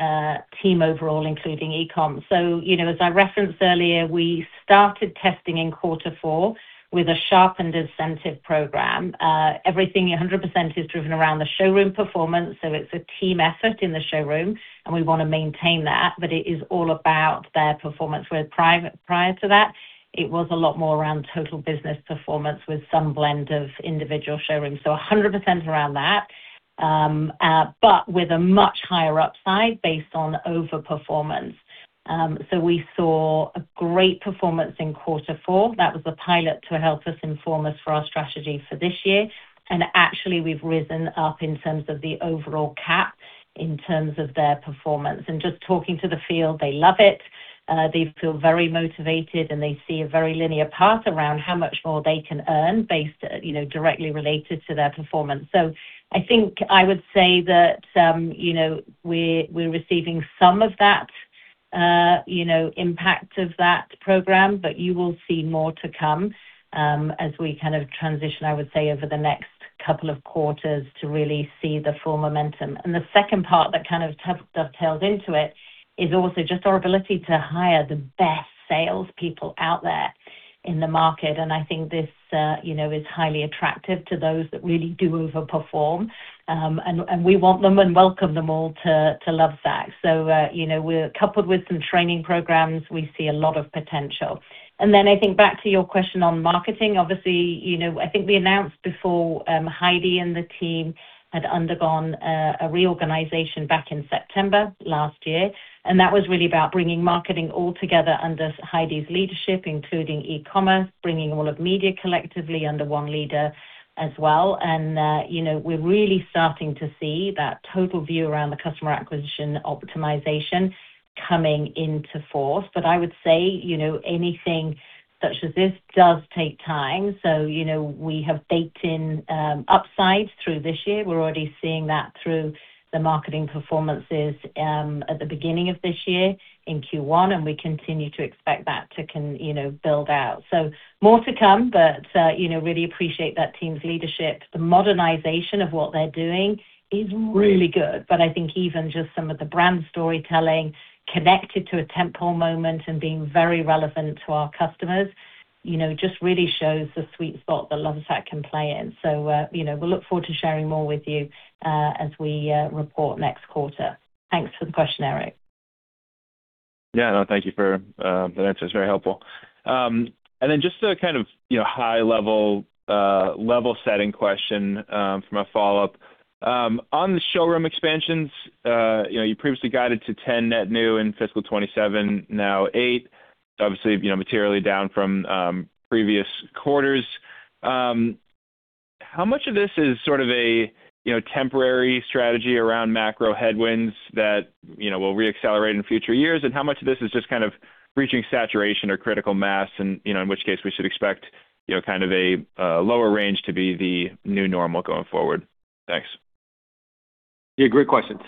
team overall, including e-com. You know, as I referenced earlier, we started testing in quarter four with a sharpened incentive program. Everything 100% is driven around the showroom performance, so it's a team effort in the showroom, and we wanna maintain that. It is all about their performance, where prior to that it was a lot more around total business performance with some blend of individual showrooms. 100% around that, but with a much higher upside based on overperformance. We saw a great performance in quarter four. That was the pilot to help us inform us for our strategy for this year. Actually, we've risen up in terms of the overall cap in terms of their performance. Just talking to the field, they love it. They feel very motivated, and they see a very linear path around how much more they can earn based, you know, directly related to their performance. I think I would say that, you know, we're receiving some of that, you know, impact of that program, but you will see more to come, as we kind of transition, I would say, over the next couple of quarters to really see the full momentum. The second part that kind of dovetails into it is also just our ability to hire the best salespeople out there in the market. I think this, you know, is highly attractive to those that really do overperform. We want them and welcome them all to Lovesac. You know, we're coupled with some training programs, we see a lot of potential. I think back to your question on marketing. Obviously, you know, I think we announced before, Heidi and the team had undergone a reorganization back in September last year, and that was really about bringing marketing all together under Heidi's leadership, including e-commerce, bringing all of media collectively under one leader as well. You know, we're really starting to see that total view around the customer acquisition optimization coming into force. I would say, you know, anything such as this does take time. You know, we have baked in upsides through this year. We're already seeing that through the marketing performances at the beginning of this year in Q1, and we continue to expect that to build out. More to come, but you know, really appreciate that team's leadership. The modernization of what they're doing is really good. I think even just some of the brand storytelling connected to a tentpole moment and being very relevant to our customers, you know, just really shows the sweet spot that Lovesac can play in. We'll look forward to sharing more with you as we report next quarter. Thanks for the question, Eric. Yeah. No, thank you for the answer. It's very helpful. Then just a kind of, you know, high level level setting question for my follow-up. On the showroom expansions, you know, you previously guided to 10 net new in fiscal 2027, now 8, obviously, you know, materially down from previous quarters. How much of this is sort of a, you know, temporary strategy around macro headwinds that, you know, will re-accelerate in future years? And how much of this is just kind of reaching saturation or critical mass and, you know, in which case we should expect, you know, kind of a lower range to be the new normal going forward? Thanks. Yeah, great question.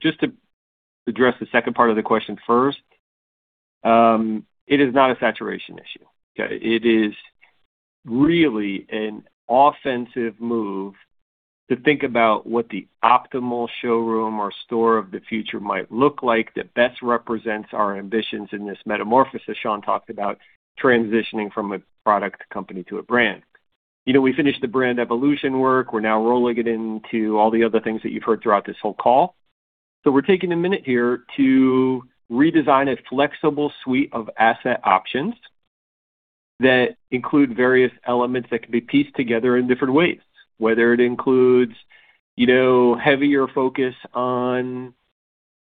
Just to address the second part of the question first. It is not a saturation issue, okay? It is really an offensive move to think about what the optimal showroom or store of the future might look like that best represents our ambitions in this metamorphosis Shawn talked about transitioning from a product company to a brand. You know, we finished the brand evolution work. We're now rolling it into all the other things that you've heard throughout this whole call. We're taking a minute here to redesign a flexible suite of asset options that include various elements that can be pieced together in different ways. Whether it includes, you know, heavier focus on,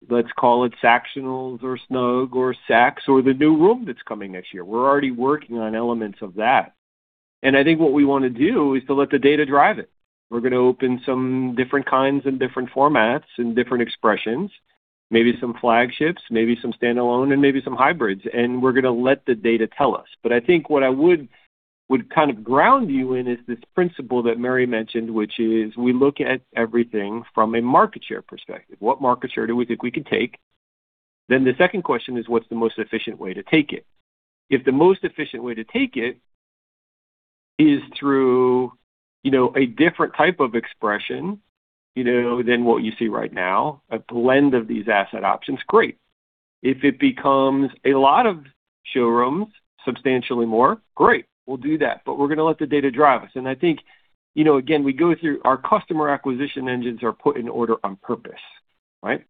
let's call it, Sactional or Snugg or Sacs or the new room that's coming next year. We're already working on elements of that. I think what we wanna do is to let the data drive it. We're gonna open some different kinds and different formats and different expressions, maybe some flagships, maybe some standalone, and maybe some hybrids, and we're gonna let the data tell us. I think what I would kind of ground you in is this principle that Mary mentioned, which is we look at everything from a market share perspective. What market share do we think we could take? The second question is, what's the most efficient way to take it? If the most efficient way to take it is through, you know, a different type of expression, you know, than what you see right now, a blend of these asset options, great. If it becomes a lot of showrooms, substantially more, great, we'll do that. We're gonna let the data drive us. I think, you know, again, we go through. Our customer acquisition engines are put in order on purpose, right?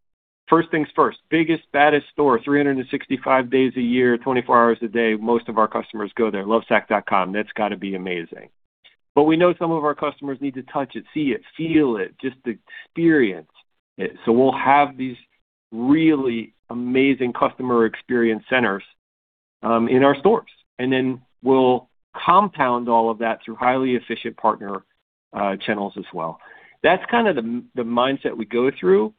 First things first. Biggest, baddest store, 365 days a year, 24 hours a day. Most of our customers go there, lovesac.com. That's got to be amazing. We know some of our customers need to touch it, see it, feel it, just experience it. We'll have these really amazing customer experience centers in our stores, and then we'll compound all of that through highly efficient partner channels as well. That's kind of the mindset we go through.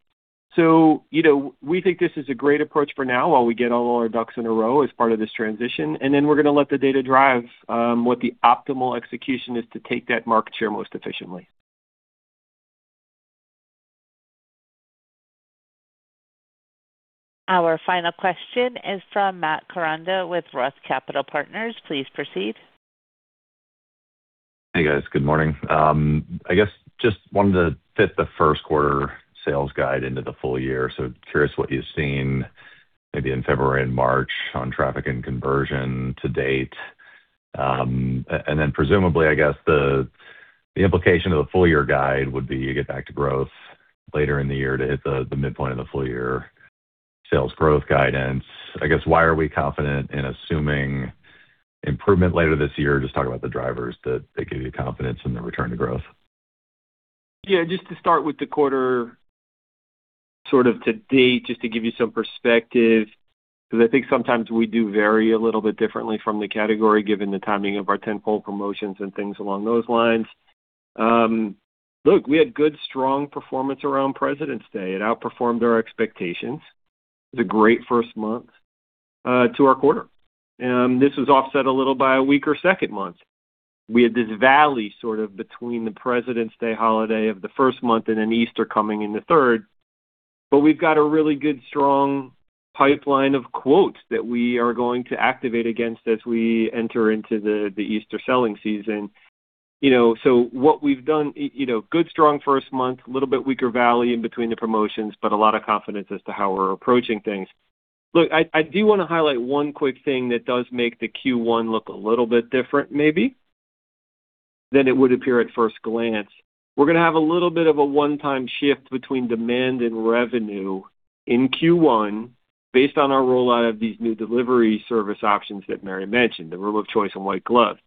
You know, we think this is a great approach for now while we get all our ducks in a row as part of this transition, and then we're gonna let the data drive what the optimal execution is to take that market share most efficiently. Our final question is from Matt Koranda with ROTH Capital Partners. Please proceed. Hey, guys. Good morning. I guess just wanted to fit the first quarter sales guide into the full year. Curious what you've seen maybe in February and March on traffic and conversion to date. Presumably, I guess the implication of the full year guide would be you get back to growth later in the year to hit the midpoint of the full year sales growth guidance. I guess, why are we confident in assuming improvement later this year? Just talk about the drivers that give you confidence in the return to growth. Just to start with the quarter sort of to date, just to give you some perspective, because I think sometimes we do vary a little bit differently from the category, given the timing of our tentpole promotions and things along those lines. Look, we had good, strong performance around President's Day. It outperformed our expectations. It's a great first month to our quarter. This was offset a little by a weaker second month. We had this valley sort of between the President's Day holiday of the first month and then Easter coming in the third. We've got a really good, strong pipeline of quotes that we are going to activate against as we enter into the Easter selling season. You know, what we've done, you know, good, strong first month, a little bit weaker valley in between the promotions, but a lot of confidence as to how we're approaching things. Look, I do wanna highlight one quick thing that does make the Q1 look a little bit different maybe than it would appear at first glance. We're gonna have a little bit of a one-time shift between demand and revenue in Q1 based on our rollout of these new delivery service options that Mary mentioned, the Room of Choice and White Glove.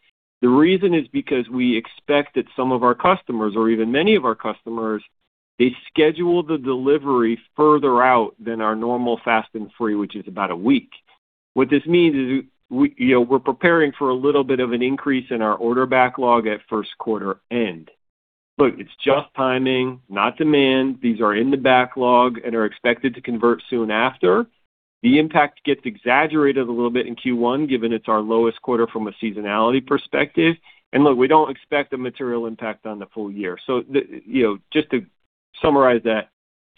The reason is because we expect that some of our customers, or even many of our customers, they schedule the delivery further out than our normal fast and free, which is about a week. What this means is we, you know, we're preparing for a little bit of an increase in our order backlog at first quarter end. Look, it's just timing, not demand. These are in the backlog and are expected to convert soon after. The impact gets exaggerated a little bit in Q1, given it's our lowest quarter from a seasonality perspective. Look, we don't expect a material impact on the full year. You know, just to summarize that,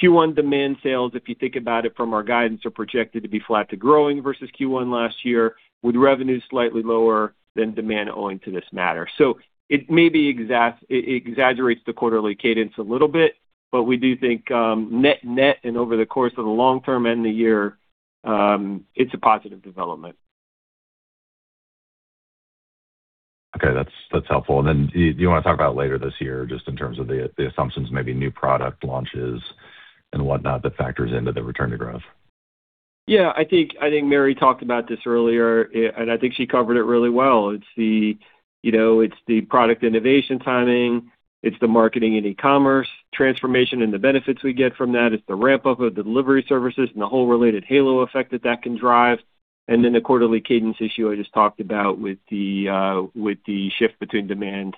Q1 demand sales, if you think about it from our guidance, are projected to be flat to growing versus Q1 last year, with revenue slightly lower than demand owing to this matter. It exaggerates the quarterly cadence a little bit, but we do think, net net and over the course of the long term and the year, it's a positive development. Okay. That's helpful. Do you wanna talk about later this year just in terms of the assumptions, maybe new product launches and whatnot that factors into the return to growth? Yeah, I think Mary talked about this earlier, and I think she covered it really well. It's the product innovation timing. It's the marketing and e-commerce transformation and the benefits we get from that. It's the ramp-up of the delivery services and the whole related halo effect that that can drive. Then the quarterly cadence issue I just talked about with the shift between demand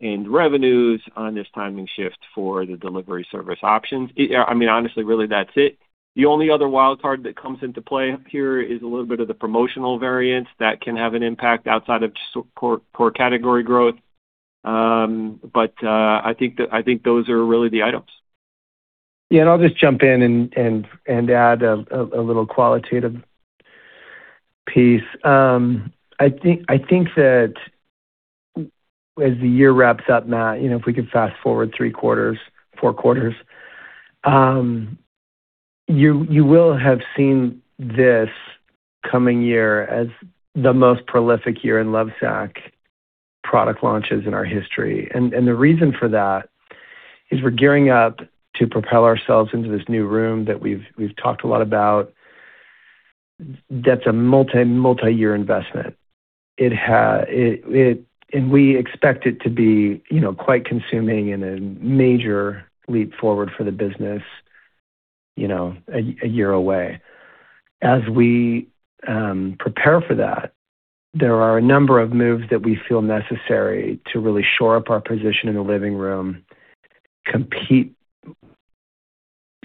and revenues on this timing shift for the delivery service options. I mean, honestly, really, that's it. The only other wildcard that comes into play here is a little bit of the promotional variance that can have an impact outside of core category growth. But I think those are really the items. Yeah, I'll just jump in and add a little qualitative piece. I think that as the year wraps up, Matt, you know, if we could fast-forward three quarters, four quarters, you will have seen this coming year as the most prolific year in Lovesac product launches in our history. The reason for that is we're gearing up to propel ourselves into this new room that we've talked a lot about that's a multi-year investment. We expect it to be, you know, quite consuming and a major leap forward for the business, you know, a year away. As we prepare for that, there are a number of moves that we feel necessary to really shore up our position in the living room, compete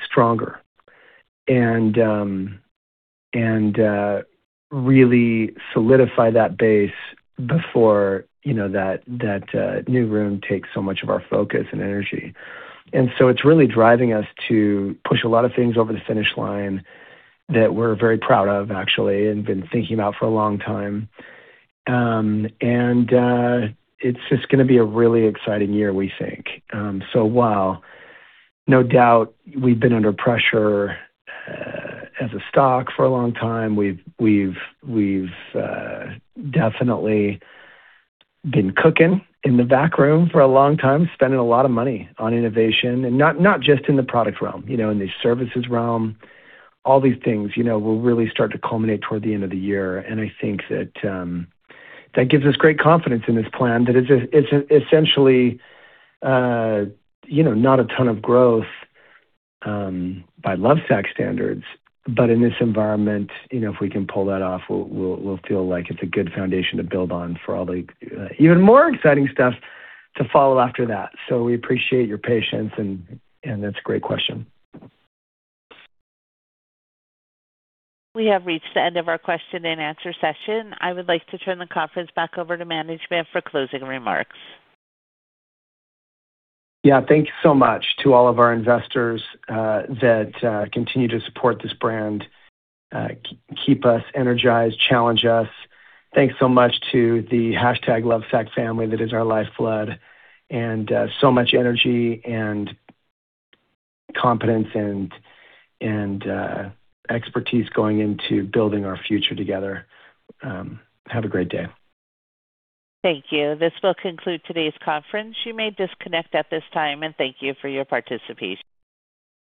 stronger and really solidify that base before, you know, that new room takes so much of our focus and energy. It's really driving us to push a lot of things over the finish line that we're very proud of actually, and been thinking about for a long time. It's just gonna be a really exciting year, we think. While no doubt we've been under pressure as a stock for a long time, we've definitely been cooking in the back room for a long time, spending a lot of money on innovation and not just in the product realm. You know, in the services realm. All these things, you know, will really start to culminate toward the end of the year. I think that gives us great confidence in this plan that it's essentially, you know, not a ton of growth by Lovesac standards, but in this environment, you know, if we can pull that off, we'll feel like it's a good foundation to build on for all the even more exciting stuff to follow after that. We appreciate your patience, and that's a great question. We have reached the end of our question-and-answer session. I would like to turn the conference back over to management for closing remarks. Yeah. Thank you so much to all of our investors that continue to support this brand, keep us energized, challenge us. Thanks so much to the #LovesacFamily that is our lifeblood, and so much energy and competence and expertise going into building our future together. Have a great day. Thank you. This will conclude today's conference. You may disconnect at this time, and thank you for your participation.